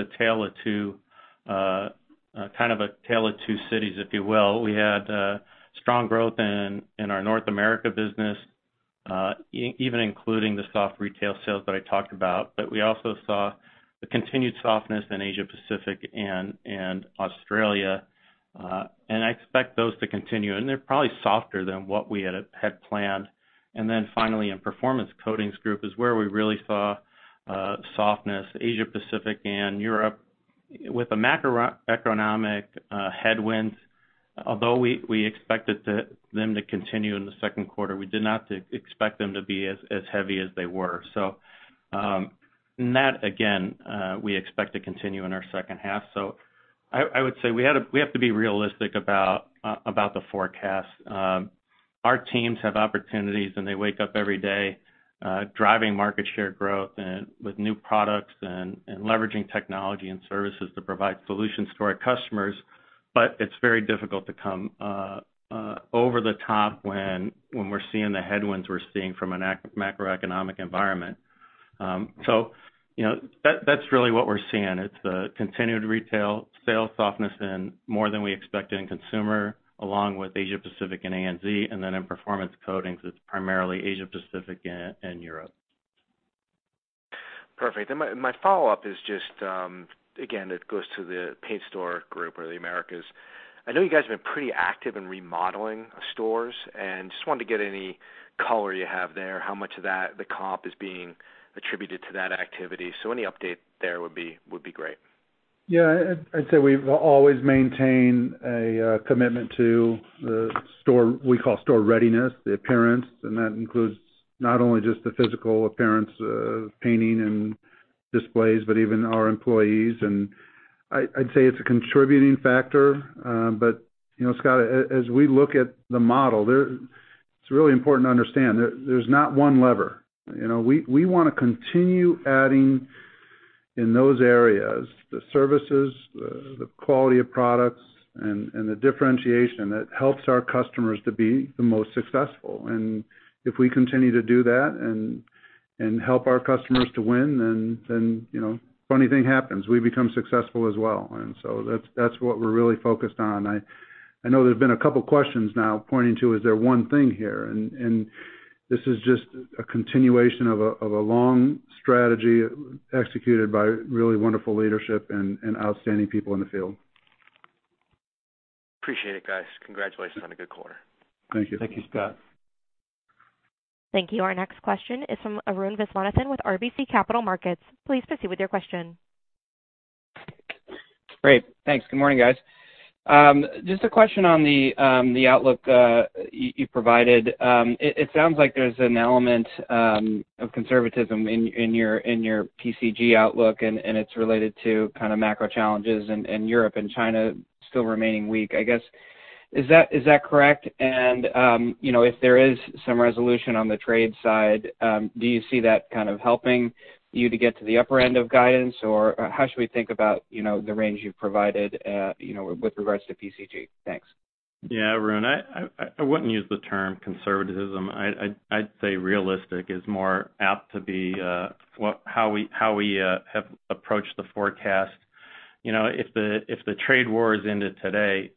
kind of a tale of two cities, if you will. We had strong growth in our North America business, even including the soft retail sales that I talked about. We also saw the continued softness in Asia Pacific and Australia. I expect those to continue, and they're probably softer than what we had planned. Finally, in Performance Coatings Group is where we really saw softness. Asia Pacific and Europe with the macroeconomic headwinds, although we expected them to continue in the second quarter, we did not expect them to be as heavy as they were. That, again, we expect to continue in our second half. I would say we have to be realistic about the forecast. Our teams have opportunities, and they wake up every day driving market share growth with new products and leveraging technology and services to provide solutions to our customers. It's very difficult to come over the top when we're seeing the headwinds we're seeing from a macroeconomic environment. That's really what we're seeing. It's the continued retail sales softness and more than we expected in consumer, along with Asia Pacific and ANZ, and then in Performance Coatings, it's primarily Asia Pacific and Europe. Perfect. My follow-up is just, again, it goes to the Paints Store or the Americas. I know you guys have been pretty active in remodeling stores, and just wanted to get any color you have there, how much of that the comp is being attributed to that activity. Any update there would be great. Yeah. I'd say we've always maintained a commitment to the store, we call store readiness, the appearance, and that includes not only just the physical appearance of painting and displays, but even our employees. I'd say it's a contributing factor. Scott, as we look at the model, it's really important to understand there's not one lever. We want to continue adding in those areas, the services, the quality of products, and the differentiation that helps our customers to be the most successful. If we continue to do that and help our customers to win, funny thing happens, we become successful as well. That's what we're really focused on. I know there's been a couple of questions now pointing to, is there one thing here? This is just a continuation of a long strategy executed by really wonderful leadership and outstanding people in the field. Appreciate it, guys. Congratulations on a good quarter. Thank you. Thank you, Scott. Thank you. Our next question is from Arun Viswanathan with RBC Capital Markets. Please proceed with your question. Great. Thanks. Good morning, guys. Just a question on the outlook you provided. It sounds like there's an element of conservatism in your PCG outlook, and it's related to kind of macro challenges in Europe and China still remaining weak. I guess, is that correct? If there is some resolution on the trade side, do you see that kind of helping you to get to the upper end of guidance? Or how should we think about the range you've provided with regards to PCG? Thanks. Yeah, Arun. I wouldn't use the term conservatism. I'd say realistic is more apt to be how we have approached the forecast. If the trade war has ended today,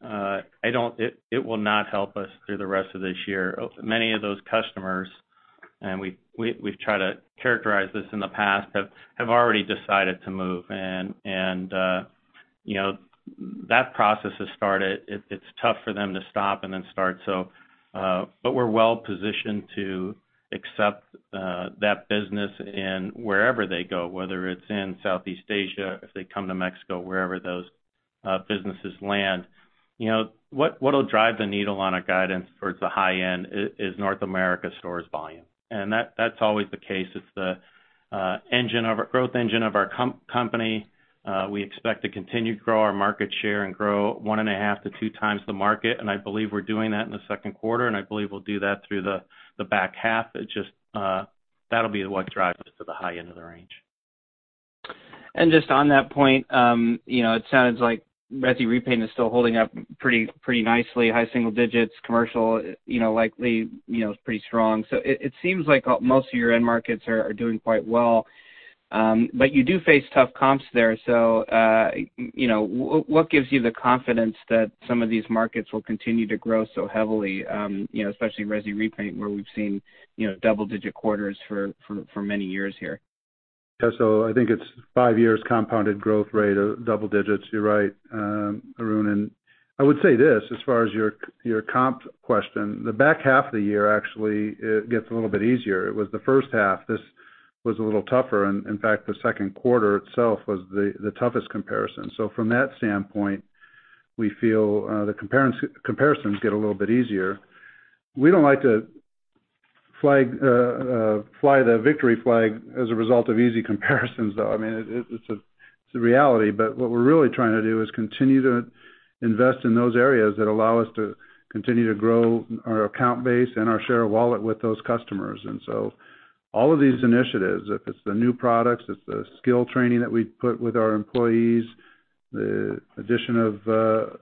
it will not help us through the rest of this year. Many of those customers, and we've tried to characterize this in the past, have already decided to move. That process has started. It's tough for them to stop and then start. We're well-positioned to accept that business in wherever they go, whether it's in Southeast Asia, if they come to Mexico, wherever those businesses land. What'll drive the needle on a guidance towards the high end is North America stores volume. That's always the case. It's the growth engine of our company. We expect to continue to grow our market share and grow 1.5x-2x the market, and I believe we're doing that in the second quarter, and I believe we'll do that through the back half. That'll be what drives us to the high end of the range. Just on that point, it sounds like resi repaint is still holding up pretty nicely. High single-digits commercial, likely is pretty strong. It seems like most of your end markets are doing quite well. You do face tough comps there. What gives you the confidence that some of these markets will continue to grow so heavily, especially resi repaint, where we've seen double-digit quarters for many years here? Yeah. I think it's five years compounded growth rate of double digits. You're right, Arun. I would say this, as far as your comp question, the back half of the year actually gets a little bit easier. It was the first half, this was a little tougher. In fact, the second quarter itself was the toughest comparison. From that standpoint, we feel the comparisons get a little bit easier. We don't like to fly the victory flag as a result of easy comparisons, though. I mean, it's a reality. What we're really trying to do is continue to invest in those areas that allow us to continue to grow our account base and our share of wallet with those customers. All of these initiatives, if it's the new products, it's the skill training that we put with our employees, the addition of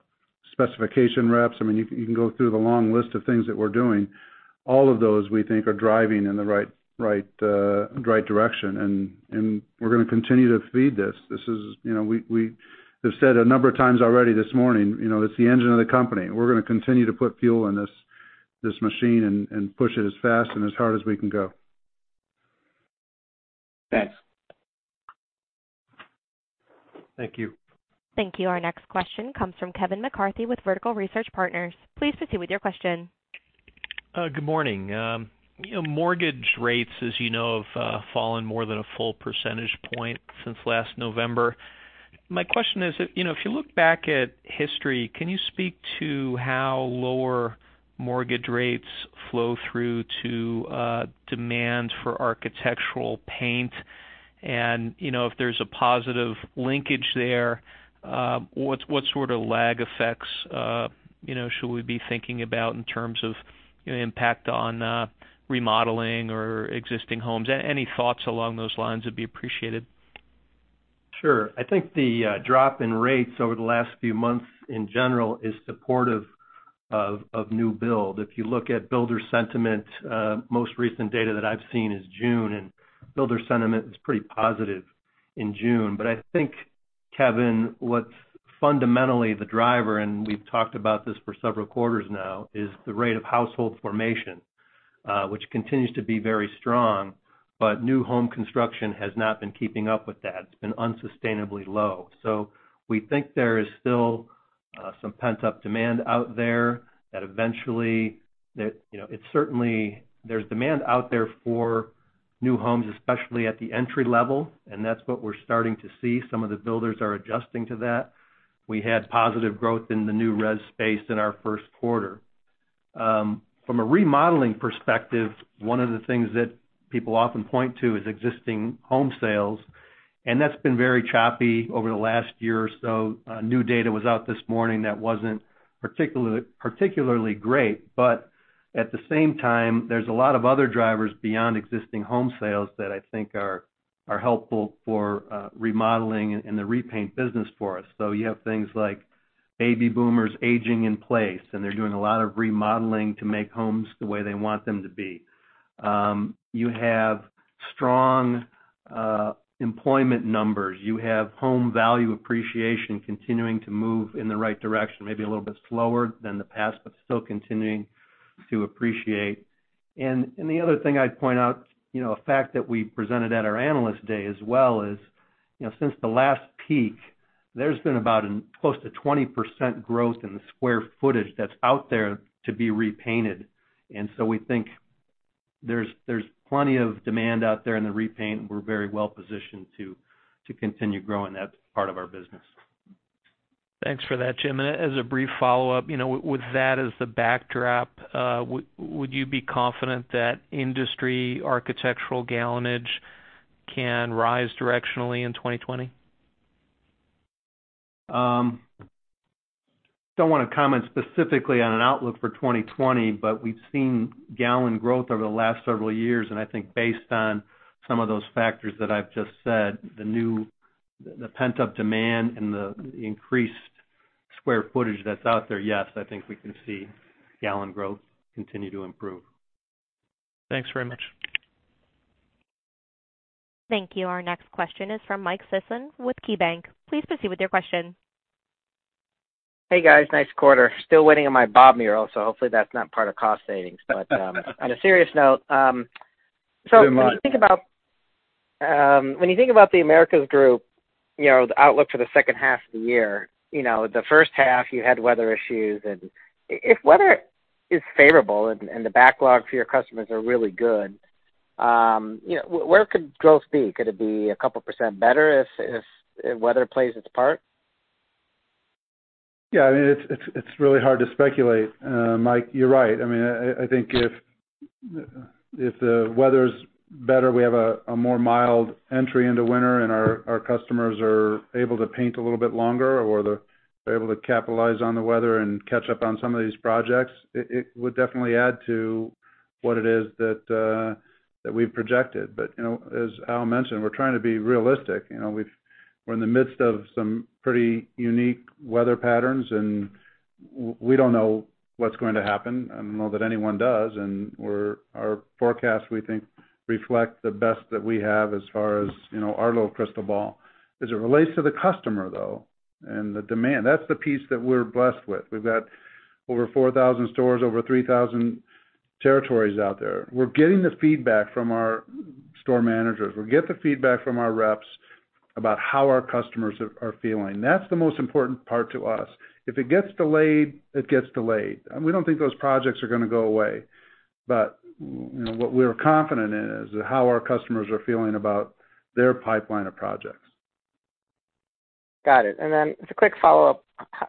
specification reps. I mean, you can go through the long list of things that we're doing. All of those we think are driving in the right direction, and we're going to continue to feed this. We've said a number of times already this morning, it's the engine of the company. We're going to continue to put fuel in this machine and push it as fast and as hard as we can go. Thanks. Thank you. Thank you. Our next question comes from Kevin McCarthy with Vertical Research Partners. Please proceed with your question. Good morning. Mortgage rates, as you know, have fallen more than one full percentage point since last November. My question is, if you look back at history, can you speak to how lower mortgage rates flow through to demand for architectural paint? If there's a positive linkage there, what sort of lag effects should we be thinking about in terms of impact on remodeling or existing homes? Any thoughts along those lines would be appreciated. Sure. I think the drop in rates over the last few months, in general, is supportive of new build. If you look at builder sentiment, most recent data that I've seen is June, and builder sentiment is pretty positive in June. I think, Kevin, what's fundamentally the driver, and we've talked about this for several quarters now, is the rate of household formation, which continues to be very strong, but new home construction has not been keeping up with that. It's been unsustainably low. We think there is still some pent-up demand out there that eventually, there's demand out there for new homes, especially at the entry-level, and that's what we're starting to see. Some of the builders are adjusting to that. We had positive growth in the new res space in our first quarter. From a remodeling perspective, one of the things that people often point to is existing home sales, and that's been very choppy over the last year or so. New data was out this morning that wasn't particularly great. At the same time, there's a lot of other drivers beyond existing home sales that I think are helpful for remodeling and the repaint business for us. You have things like baby boomers aging in place, and they're doing a lot of remodeling to make homes the way they want them to be. You have strong employment numbers. You have home value appreciation continuing to move in the right direction, maybe a little bit slower than the past, but still continuing to appreciate. The other thing I'd point out, a fact that we presented at our Analyst Day as well, is, since the last peak, there's been about close to 20% growth in the square footage that's out there to be repainted, and so we think there's plenty of demand out there in the repaint, and we're very well positioned to continue growing that part of our business. Thanks for that, Jim. As a brief follow-up, with that as the backdrop, would you be confident that industry architectural gallonage can rise directionally in 2020? Don't want to comment specifically on an outlook for 2020, but we've seen gallon growth over the last several years, and I think based on some of those factors that I've just said, the pent-up demand and the increased square footage that's out there, yes, I think we can see gallon growth continue to improve. Thanks very much. Thank you. Our next question is from Mike Sison with KeyBanc. Please proceed with your question. Hey, guys. Nice quarter. Still waiting on my bobblehead, so hopefully that's not part of cost savings. On a serious note. Good one. When you think about The Americas Group, the outlook for the second half of the year, the first half you had weather issues, and if weather is favorable and the backlog for your customers are really good, where could growth be? Could it be a couple percent better if weather plays its part? Yeah, it's really hard to speculate, Mike. You're right. I think if the weather's better, we have a more mild entry into winter, and our customers are able to paint a little bit longer, or they're able to capitalize on the weather and catch up on some of these projects, it would definitely add to what it is that we've projected. As Al mentioned, we're trying to be realistic. We're in the midst of some pretty unique weather patterns, and we don't know what's going to happen. I don't know that anyone does, and our forecast, we think, reflects the best that we have as far as our little crystal ball. As it relates to the customer, though, and the demand, that's the piece that we're blessed with. We've got over 4,000 stores, over 3,000 territories out there. We're getting the feedback from our store managers. We get the feedback from our reps about how our customers are feeling. That's the most important part to us. If it gets delayed, it gets delayed. We don't think those projects are going to go away. What we're confident in is how our customers are feeling about their pipeline of projects. Got it. As a quick follow-up,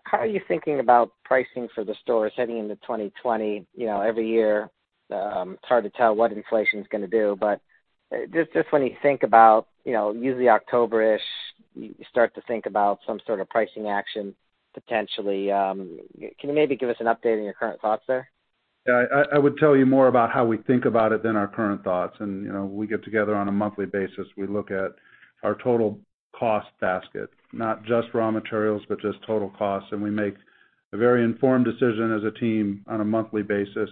how are you thinking about pricing for the stores heading into 2020? Every year, it's hard to tell what inflation's going to do. When you think about, usually October-ish, you start to think about some sort of pricing action, potentially. Can you maybe give us an update on your current thoughts there? Yeah, I would tell you more about how we think about it than our current thoughts. We get together on a monthly basis. We look at our total cost basket, not just raw materials, but just total costs, and we make a very informed decision as a team on a monthly basis.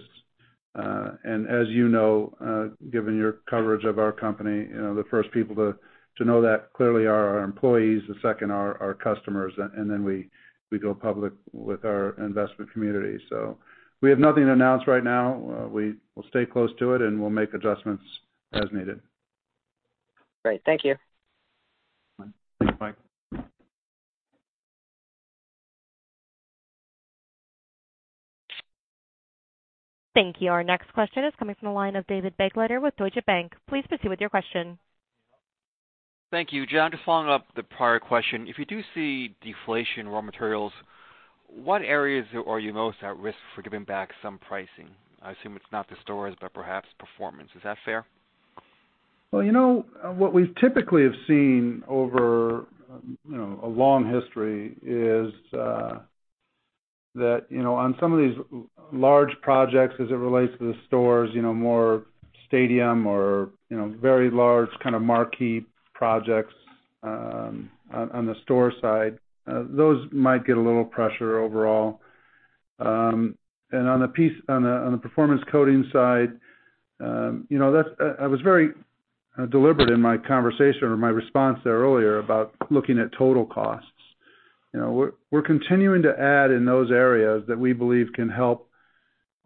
As you know, given your coverage of our company, the first people to know that clearly are our employees, the second are our customers, and then we go public with our investment community. We have nothing to announce right now. We will stay close to it, and we'll make adjustments as needed. Great. Thank you. Bye. Thank you. Our next question is coming from the line of David Begleiter with Deutsche Bank. Please proceed with your question. Thank you, John. Just following up the prior question, if you do see deflation in raw materials, what areas are you most at risk for giving back some pricing? I assume it's not the stores, but perhaps performance. Is that fair? What we typically have seen over a long history is that on some of these large projects as it relates to the stores, more stadium or very large kind of marquee projects on the store side, those might get a little pressure overall. On the performance coating side, I was very deliberate in my conversation or my response there earlier about looking at total costs. We're continuing to add in those areas that we believe can help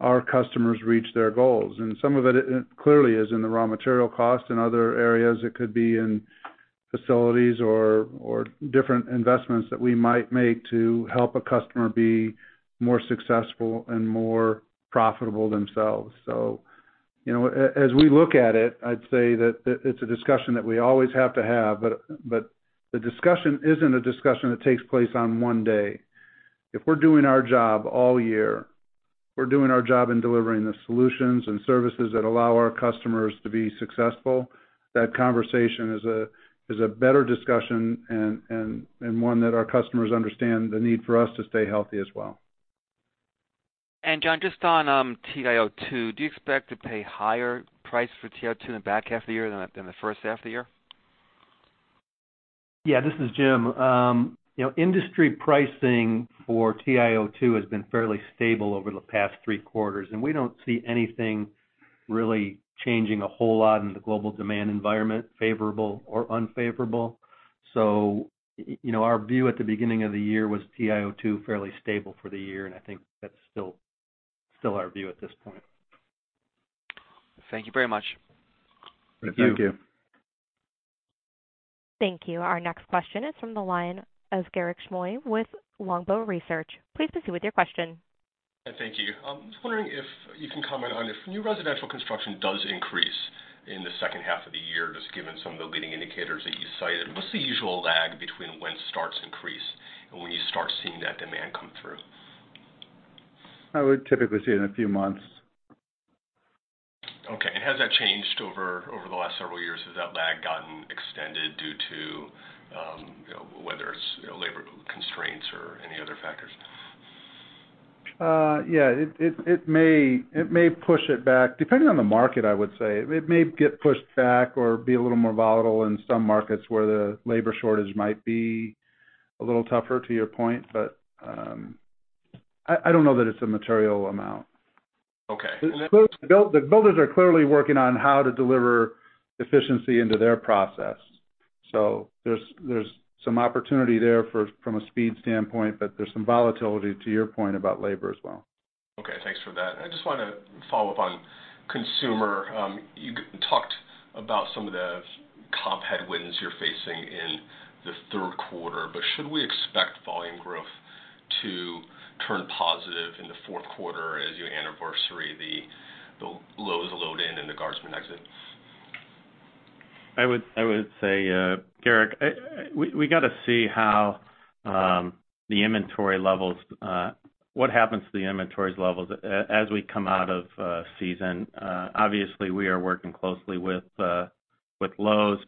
our customers reach their goals, and some of it clearly is in the raw material cost. In other areas, it could be in facilities or different investments that we might make to help a customer be more successful and more profitable themselves. As we look at it, I'd say that it's a discussion that we always have to have, but the discussion isn't a discussion that takes place on one day. If we're doing our job all year, if we're doing our job in delivering the solutions and services that allow our customers to be successful, that conversation is a better discussion and one that our customers understand the need for us to stay healthy as well. John, just on TiO2, do you expect to pay higher price for TiO2 in the back half of the year than the first half of the year? Yeah, this is Jim. Industry pricing for TiO2 has been fairly stable over the past three quarters, and we don't see anything really changing a whole lot in the global demand environment, favorable or unfavorable. Our view at the beginning of the year was TiO2 fairly stable for the year, and I think that's still our view at this point. Thank you very much. Thank you. Thank you. Our next question is from the line of Garik Shmois with Longbow Research. Please proceed with your question. Thank you. I was wondering if you can comment on if new residential construction does increase in the second half of the year, just given some of the leading indicators that you cited. What's the usual lag between when starts increase and when you start seeing that demand come through? We typically see it in a few months. Okay, has that changed over the last several years? Has that lag gotten extended due to whether it's labor constraints or any other factors? Yeah, it may push it back. Depending on the market, I would say, it may get pushed back or be a little more volatile in some markets where the labor shortage might be a little tougher, to your point. I don't know that it's a material amount. Okay. The builders are clearly working on how to deliver efficiency into their process. There's some opportunity there from a speed standpoint, but there's some volatility to your point about labor as well. Okay, thanks for that. I just want to follow up on consumer. You talked about some of the comp headwinds you're facing in the third quarter, but should we expect volume growth to turn positive in the fourth quarter as you anniversary the Lowe's load-in and the Guardsman exit? I would say, Garik, we got to see what happens to the inventories levels as we come out of season. Obviously, we are working closely with Lowe's.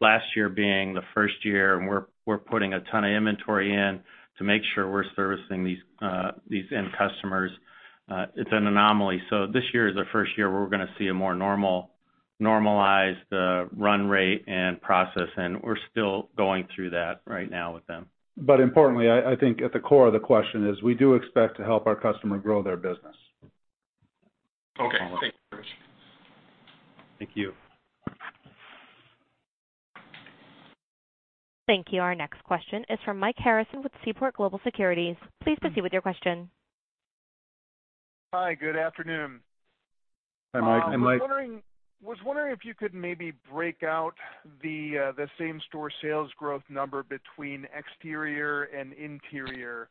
Last year being the first year, and we're putting a ton of inventory in to make sure we're servicing these end customers. It's an anomaly. This year is our first year where we're going to see a more normalized run rate and process, and we're still going through that right now with them. Importantly, I think at the core of the question is we do expect to help our customer grow their business. Okay. Thanks, Rich. Thank you. Thank you. Our next question is from Mike Harrison with Seaport Global Securities. Please proceed with your question. Hi, good afternoon. Hi, Mike. I was wondering if you could maybe break out the same-store sales growth number between exterior and interior?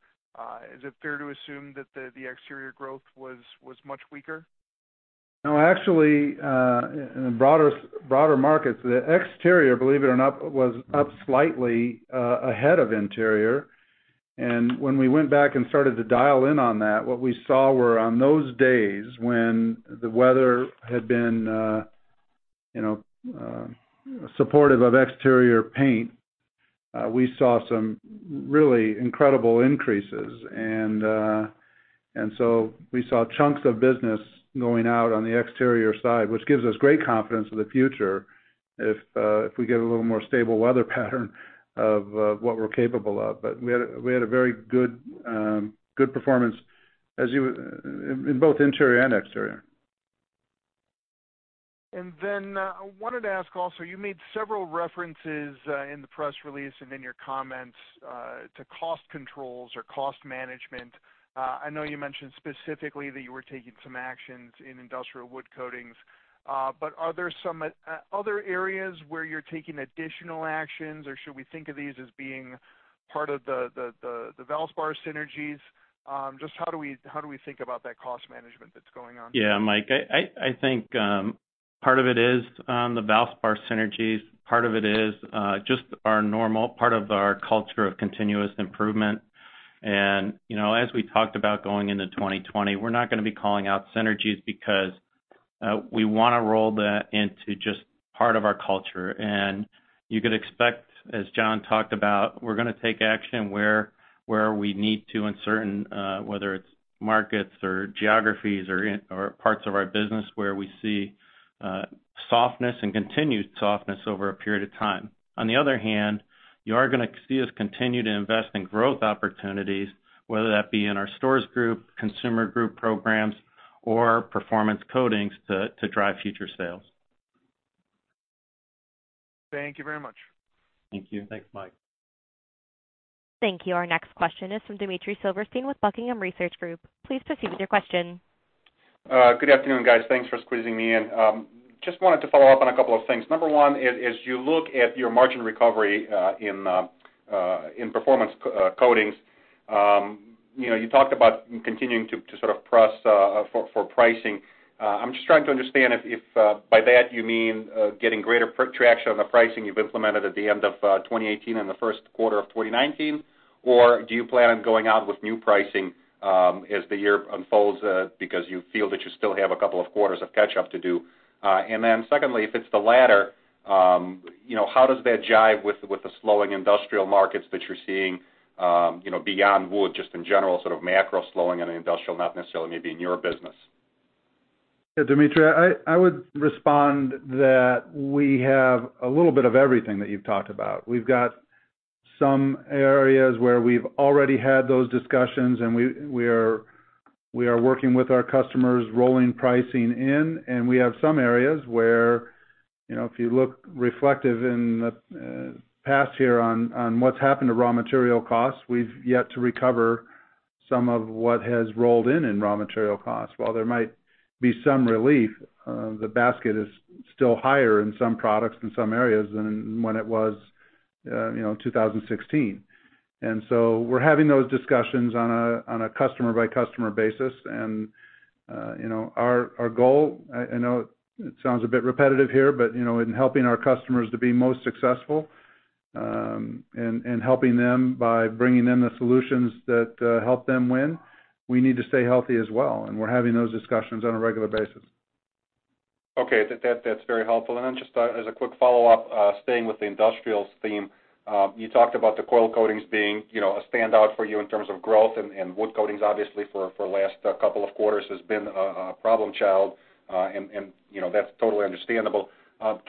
Is it fair to assume that the exterior growth was much weaker? No, actually, in the broader markets, the exterior, believe it or not, was up slightly ahead of interior. When we went back and started to dial in on that, what we saw were on those days when the weather had been supportive of exterior paint, we saw some really incredible increases. We saw chunks of business going out on the exterior side, which gives us great confidence for the future if we get a little more stable weather pattern of what we're capable of. We had a very good performance in both interior and exterior. I wanted to ask also, you made several references in the press release and in your comments to cost controls or cost management. I know you mentioned specifically that you were taking some actions in Industrial Wood Coatings, but are there some other areas where you're taking additional actions, or should we think of these as being part of the Valspar synergies? Just how do we think about that cost management that's going on? Yeah, Mike, I think part of it is the Valspar synergies. Part of it is just our normal part of our culture of continuous improvement. As we talked about going into 2020, we're not going to be calling out synergies because we want to roll that into just part of our culture. You could expect, as John talked about, we're going to take action where we need to in certain, whether it's markets or geographies or parts of our business where we see softness and continued softness over a period of time. On the other hand, you are going to see us continue to invest in growth opportunities, whether that be in our Stores Group, Consumer Group programs, or Performance Coatings to drive future sales. Thank you very much. Thank you. Thanks, Mike. Thank you. Our next question is from Dmitry Silversteyn with Buckingham Research Group. Please proceed with your question. Good afternoon, guys. Thanks for squeezing me in. Just wanted to follow-up on a couple of things. Number one, as you look at your margin recovery in Performance Coatings, you talked about continuing to sort of press for pricing. I'm just trying to understand if by that you mean getting greater traction on the pricing you've implemented at the end of 2018 and the first quarter of 2019, or do you plan on going out with new pricing as the year unfolds because you feel that you still have a couple of quarters of catch-up to do? Secondly, if it's the latter, how does that jive with the slowing industrial markets that you're seeing beyond wood, just in general sort of macro slowing in industrial, not necessarily maybe in your business? Yeah, Dmitry, I would respond that we have a little bit of everything that you've talked about. We've got some areas where we've already had those discussions, and we are working with our customers rolling pricing in, and we have some areas where, if you look reflective in the past here on what's happened to raw material costs, we've yet to recover some of what has rolled in in raw material costs. While there might be some relief, the basket is still higher in some products in some areas than when it was 2016. We're having those discussions on a customer-by-customer basis. Our goal, I know it sounds a bit repetitive here, but in helping our customers to be most successful, and helping them by bringing them the solutions that help them win, we need to stay healthy as well. We're having those discussions on a regular basis. That's very helpful. Just as a quick follow-up, staying with the industrials theme, you talked about the coil coatings being a standout for you in terms of growth, and wood coatings, obviously, for last couple of quarters has been a problem child, and that's totally understandable.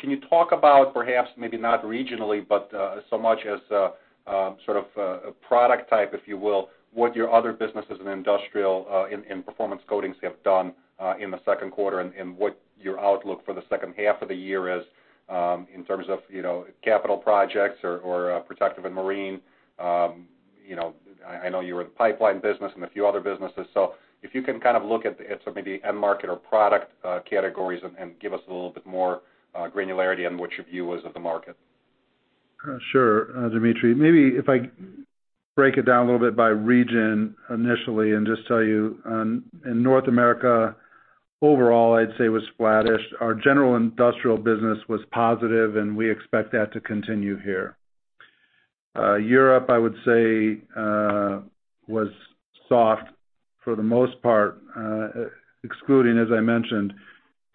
Can you talk about perhaps maybe not regionally, but so much as sort of a product type, if you will, what your other businesses in Industrial and Performance Coatings have done in the second quarter and what your outlook for the second half of the year is in terms of capital projects or protective and marine? I know you are the pipeline business and a few other businesses. If you can kind of look at some of the end market or product categories and give us a little bit more granularity on what your view is of the market. Sure, Dmitry. Maybe if I break it down a little bit by region initially and just tell you, in North America, overall, I'd say was flattish. Our general industrial business was positive, we expect that to continue here. Europe, I would say, was soft for the most part, excluding, as I mentioned,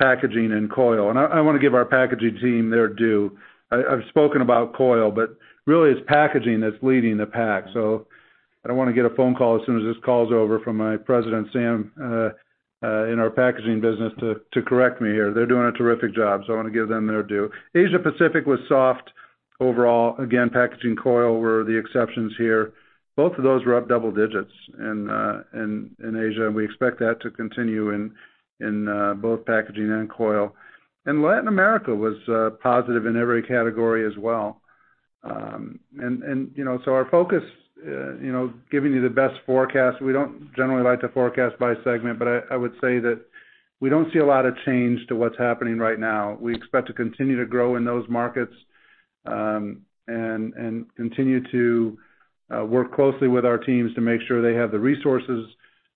packaging and coil. I want to give our packaging team their due. I've spoken about coil, but really it's packaging that's leading the pack. I don't want to get a phone call as soon as this call's over from my President, Sam, in our packaging business to correct me here. They're doing a terrific job, so I want to give them their due. Asia Pacific was soft overall. Again, packaging, coil were the exceptions here. Both of those were up double digits in Asia, and we expect that to continue in both packaging and coil. Latin America was positive in every category as well. Our focus, giving you the best forecast, we don't generally like to forecast by segment, but I would say that we don't see a lot of change to what's happening right now. We expect to continue to grow in those markets, and continue to work closely with our teams to make sure they have the resources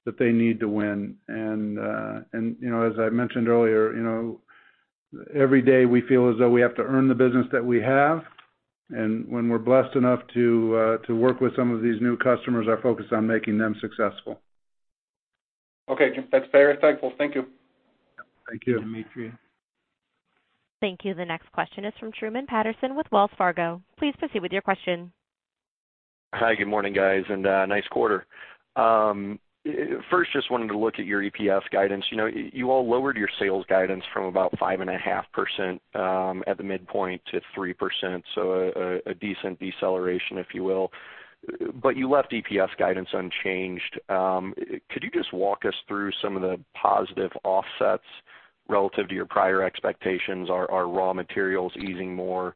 that they need to win. As I mentioned earlier, every day we feel as though we have to earn the business that we have. When we're blessed enough to work with some of these new customers, our focus is on making them successful. Okay. That's very thankful. Thank you. Thank you. Thank you, Dmitry. Thank you. The next question is from Truman Patterson with Wells Fargo. Please proceed with your question. Hi, good morning, guys, and nice quarter. First, just wanted to look at your EPS guidance. You all lowered your sales guidance from about 5.5% at the midpoint to 3%, so a decent deceleration, if you will. You left EPS guidance unchanged. Could you just walk us through some of the positive offsets relative to your prior expectations? Are raw materials easing more,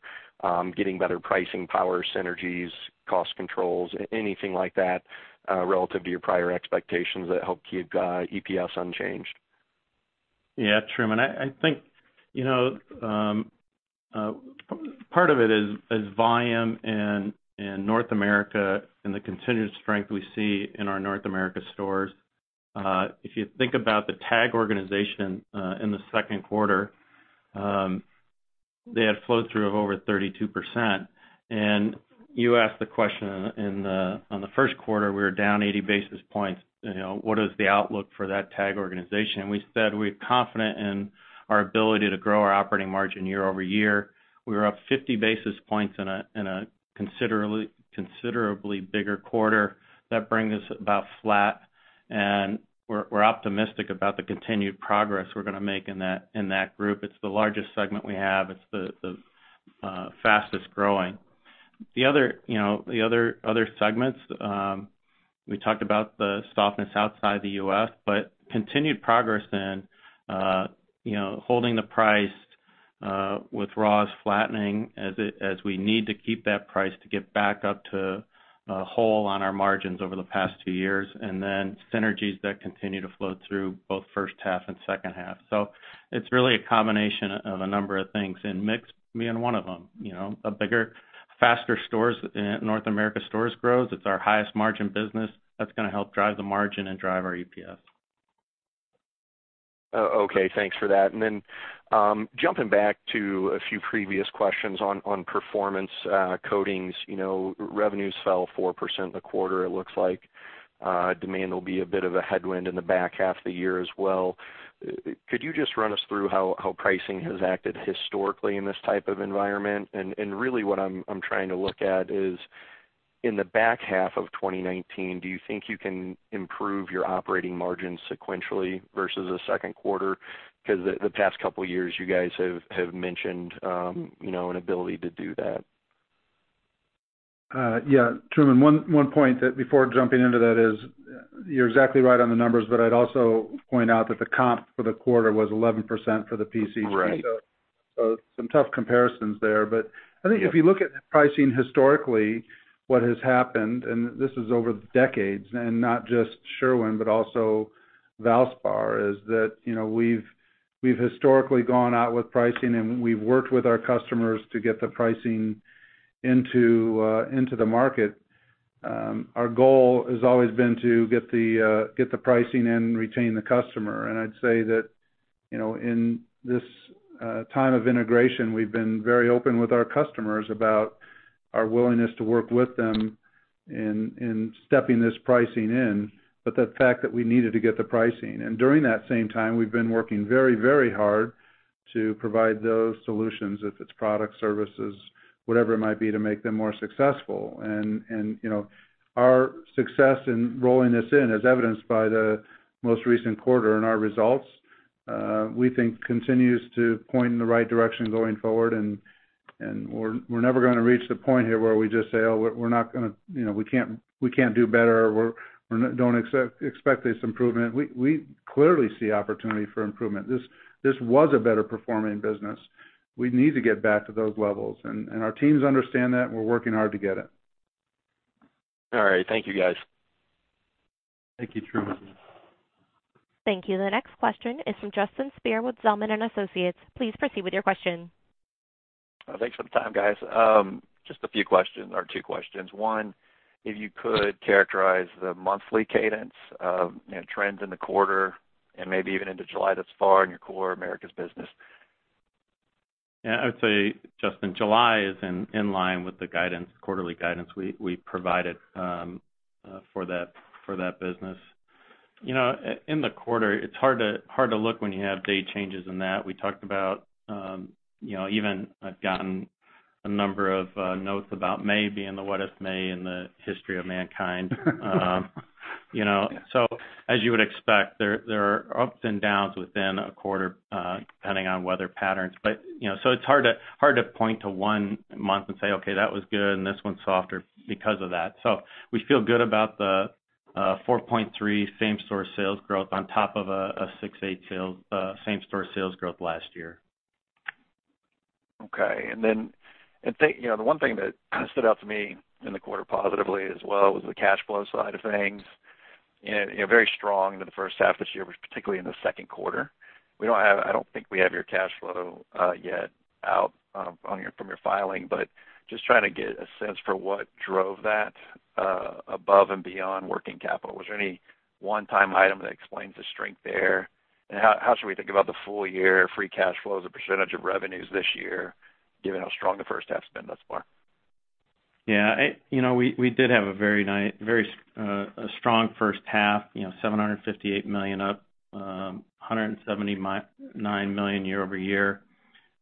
getting better pricing power synergies, cost controls, anything like that relative to your prior expectations that help keep EPS unchanged? Yeah, Truman, I think part of it is volume in North America and the continued strength we see in our North America stores. If you think about the TAG organization in the second quarter, they had flow through of over 32%. You asked the question on the first quarter, we were down 80 basis points. What is the outlook for that TAG organization? We said we're confident in our ability to grow our operating margin year-over-year. We were up 50 basis points in a considerably bigger quarter. That brings us about flat, and we're optimistic about the continued progress we're going to make in that group. It's the largest segment we have. It's the fastest growing. The other segments, we talked about the softness outside the U.S., continued progress, holding the price with raws flattening as we need to keep that price to get back up to whole on our margins over the past two years, synergies that continue to flow through both first half and second half. It's really a combination of a number of things, and mix being one of them. A bigger, faster North America stores grows. It's our highest margin business. That's going to help drive the margin and drive our EPS. Okay, thanks for that. Then jumping back to a few previous questions on performance coatings. Revenues fell 4% in the quarter it looks like. Demand will be a bit of a headwind in the back half of the year as well. Could you just run us through how pricing has acted historically in this type of environment? Really what I'm trying to look at is in the back half of 2019, do you think you can improve your operating margins sequentially versus the second quarter? Because the past couple of years, you guys have mentioned an ability to do that. Yeah. Truman, one point before jumping into that is, you're exactly right on the numbers, but I'd also point out that the comp for the quarter was 11% for the PCG. Right. Some tough comparisons there. I think if you look at pricing historically, what has happened, and this is over decades, and not just Sherwin, but also Valspar, is that we've historically gone out with pricing, and we've worked with our customers to get the pricing into the market. Our goal has always been to get the pricing in and retain the customer. I'd say that, in this time of integration, we've been very open with our customers about our willingness to work with them in stepping this pricing in, but the fact that we needed to get the pricing. During that same time, we've been working very hard to provide those solutions, if it's product, services, whatever it might be, to make them more successful. Our success in rolling this in, as evidenced by the most recent quarter in our results, we think continues to point in the right direction going forward, and we're never going to reach the point here where we just say, Oh, we can't do better, or, Don't expect this improvement. We clearly see opportunity for improvement. This was a better performing business. We need to get back to those levels, and our teams understand that, and we're working hard to get it. All right. Thank you, guys. Thank you, Truman. Thank you. The next question is from Justin Speer with Zelman & Associates. Please proceed with your question. Thanks for the time, guys. Just a few questions or two questions. One, if you could characterize the monthly cadence of trends in the quarter and maybe even into July thus far in your Core Americas business. Yeah, I would say, Justin, July is in line with the quarterly guidance we provided for that business. In the quarter, it's hard to look when you have date changes in that. We talked about even I've gotten a number of notes about May being the wettest May in the history of mankind. As you would expect, there are ups and downs within a quarter, depending on weather patterns. It's hard to point to one month and say, Okay, that was good, and this one's softer because of that. We feel good about the 4.3 same-store sales growth on top of a 6.8 same-store sales growth last year. Okay. The one thing that kind of stood out to me in the quarter positively as well was the cash flow side of things. Very strong in the first half this year, but particularly in the second quarter. I don't think we have your cash flow yet out from your filing, but just trying to get a sense for what drove that above and beyond working capital. Was there any one-time item that explains the strength there? How should we think about the full-year free cash flow as a percentage of revenues this year, given how strong the first half's been thus far? We did have a very strong first half, $758 million up, $179 million year-over-year.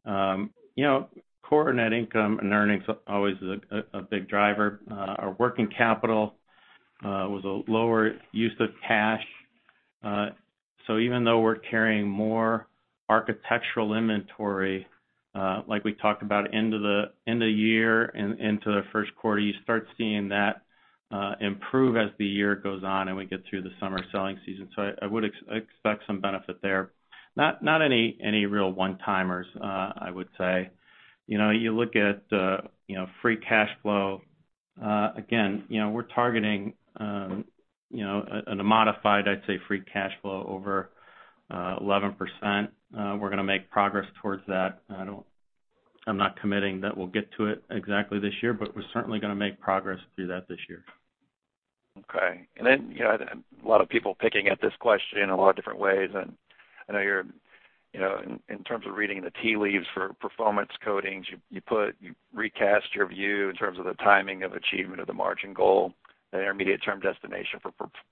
Core net income and earnings always is a big driver. Even though we're carrying more architectural inventory, like we talked about end of year and into the first quarter, you start seeing that improve as the year goes on, and we get through the summer selling season. I would expect some benefit there. Not any real one-timers, I would say. You look at free cash flow. We're targeting a modified, I'd say, free cash flow over 11%. We're going to make progress towards that. I'm not committing that we'll get to it exactly this year, but we're certainly going to make progress through that this year. Okay. A lot of people picking at this question in a lot of different ways, and I know you're, in terms of reading the tea leaves for Performance Coatings, you recast your view in terms of the timing of achievement of the margin goal and intermediate term destination for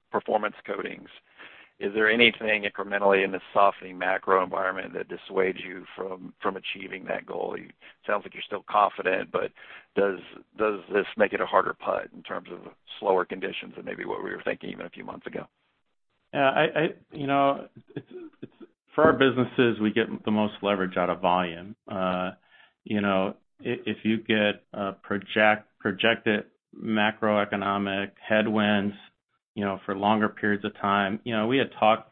Performance Coatings. Is there anything incrementally in the softening macro environment that dissuades you from achieving that goal? It sounds like you're still confident, but does this make it a harder putt in terms of slower conditions than maybe what we were thinking even a few months ago? For our businesses, we get the most leverage out of volume. If you get projected macroeconomic headwinds for longer periods of time, we had talked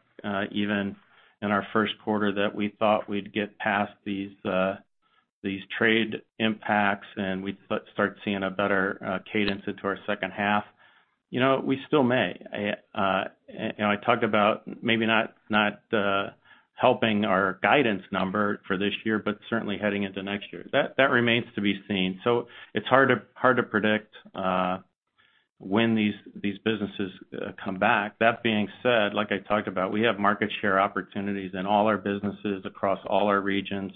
even in our first quarter that we thought we'd get past these trade impacts, and we'd start seeing a better cadence into our second half. We still may. I talked about maybe not helping our guidance number for this year, but certainly heading into next year. That remains to be seen. It's hard to predict when these businesses come back. That being said, like I talked about, we have market share opportunities in all our businesses across all our regions,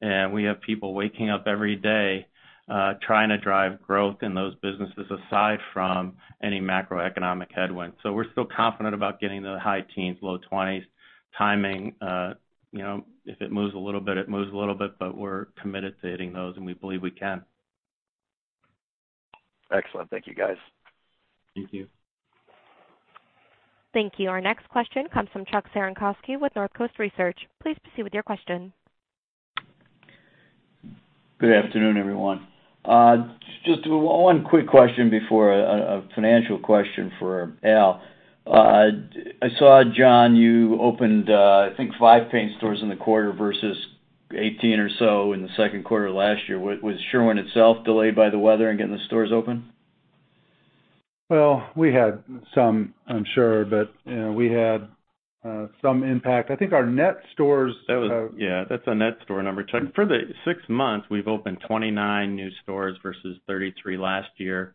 and we have people waking up every day trying to drive growth in those businesses aside from any macroeconomic headwinds. We're still confident about getting the high teens, low 20s timing. If it moves a little bit, it moves a little bit, but we're committed to hitting those, and we believe we can. Excellent. Thank you, guys. Thank you. Thank you. Our next question comes from Chuck Cerankosky with Northcoast Research. Please proceed with your question. Good afternoon, everyone. Just one quick question before a financial question for Allen. I saw, John, you opened, I think, five paint stores in the quarter versus 18 or so in the second quarter last year. Was Sherwin itself delayed by the weather in getting the stores open? Well, we had some, I'm sure, but we had some impact. I think our net stores. That's a net store number, Chuck. For the six months, we've opened 29 new stores versus 33 last year.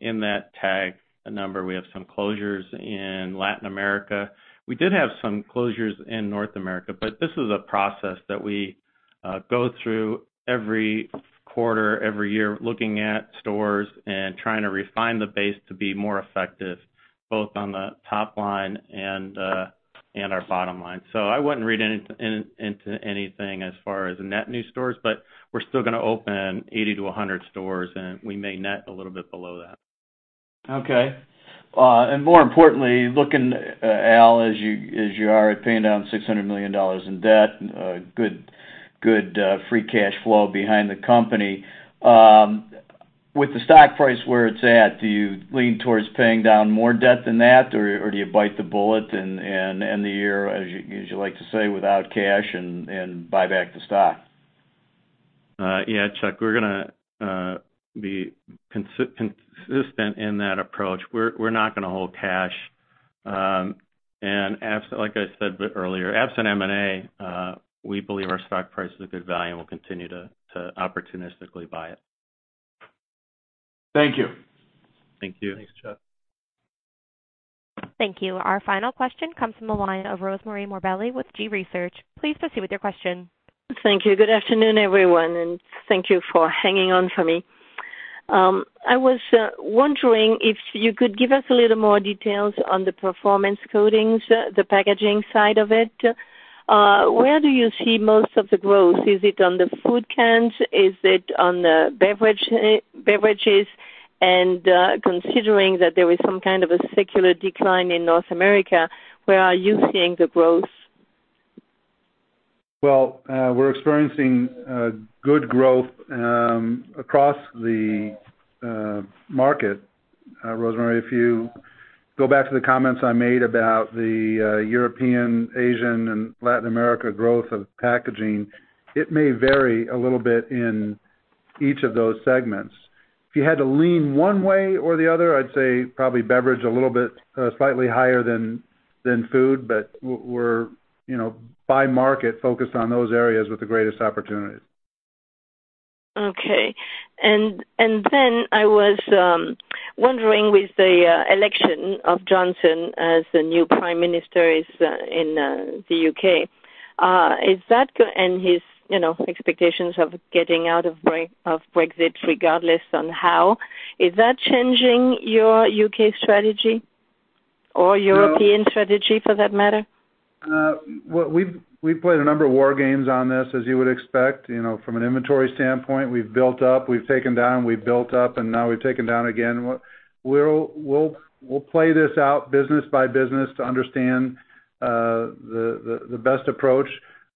In that TAG number, we have some closures in Latin America. We did have some closures in North America. This is a process that we go through every quarter, every year, looking at stores and trying to refine the base to be more effective, both on the top line and our bottom line. I wouldn't read into anything as far as net new stores. We're still going to open 80-100 stores. We may net a little bit below that. Okay. More importantly, looking, Allen, as you are at paying down $600 million in debt, good free cash flow behind the company. With the stock price where it's at, do you lean towards paying down more debt than that? Or do you bite the bullet and end the year, as you like to say, without cash and buy back the stock? Yeah, Chuck, we're going to be consistent in that approach. We're not going to hold cash. Like I said earlier, absent M&A, we believe our stock price is a good value and we'll continue to opportunistically buy it. Thank you. Thank you. Thanks, Chuck. Thank you. Our final question comes from the line of Rosemarie Morbelli with G.research. Please proceed with your question. Thank you. Good afternoon, everyone, and thank you for hanging on for me. I was wondering if you could give us a little more details on the Performance Coatings, the packaging side of it. Where do you see most of the growth? Is it on the food cans? Is it on the beverages? Considering that there is some kind of a secular decline in North America, where are you seeing the growth? Well, we're experiencing good growth across the market, Rosemarie. If you go back to the comments I made about the European, Asian, and Latin America growth of packaging, it may vary a little bit in each of those segments. If you had to lean one way or the other, I'd say probably beverage a little bit slightly higher than food, but we're, by market, focused on those areas with the greatest opportunities. Okay. I was wondering with the election of Johnson as the new Prime Minister in the U.K., and his expectations of getting out of Brexit regardless on how, is that changing your U.K. strategy or European strategy for that matter? We've played a number of war games on this, as you would expect. From an inventory standpoint, we've built up, we've taken down, we've built up, and now we've taken down again. We'll play this out business by business to understand the best approach.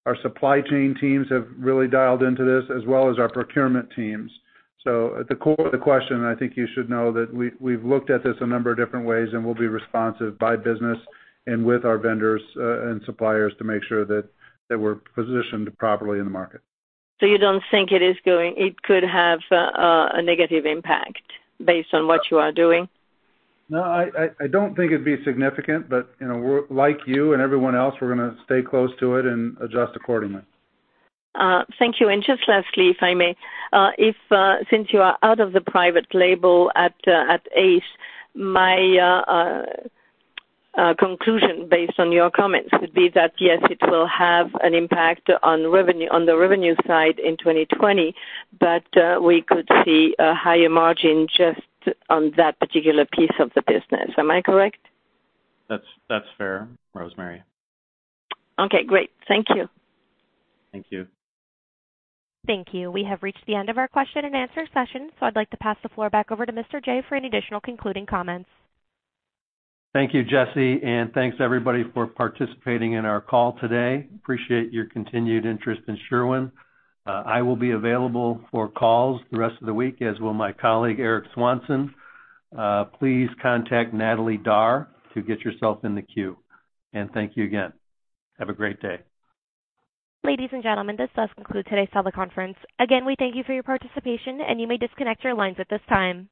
Our supply chain teams have really dialed into this, as well as our procurement teams. At the core of the question, I think you should know that we've looked at this a number of different ways, and we'll be responsive by business and with our vendors and suppliers to make sure that we're positioned properly in the market. You don't think it could have a negative impact based on what you are doing? No, I don't think it'd be significant, but like you and everyone else, we're going to stay close to it and adjust accordingly. Thank you. Just lastly, if I may. Since you are out of the private label at Ace, my conclusion based on your comments would be that, yes, it will have an impact on the revenue side in 2020, but we could see a higher margin just on that particular piece of the business. Am I correct? That's fair, Rosemarie. Okay, great. Thank you. Thank you. Thank you. We have reached the end of our question-and-answer session, so I'd like to pass the floor back over to Mr. Jaye for any additional concluding comments. Thank you, Jesse, thanks everybody for participating in our call today. Appreciate your continued interest in Sherwin. I will be available for calls the rest of the week, as will my colleague, Eric Swanson. Please contact Natalie Darr to get yourself in the queue. Thank you again. Have a great day. Ladies and gentlemen, this does conclude today's teleconference. Again, we thank you for your participation, and you may disconnect your lines at this time.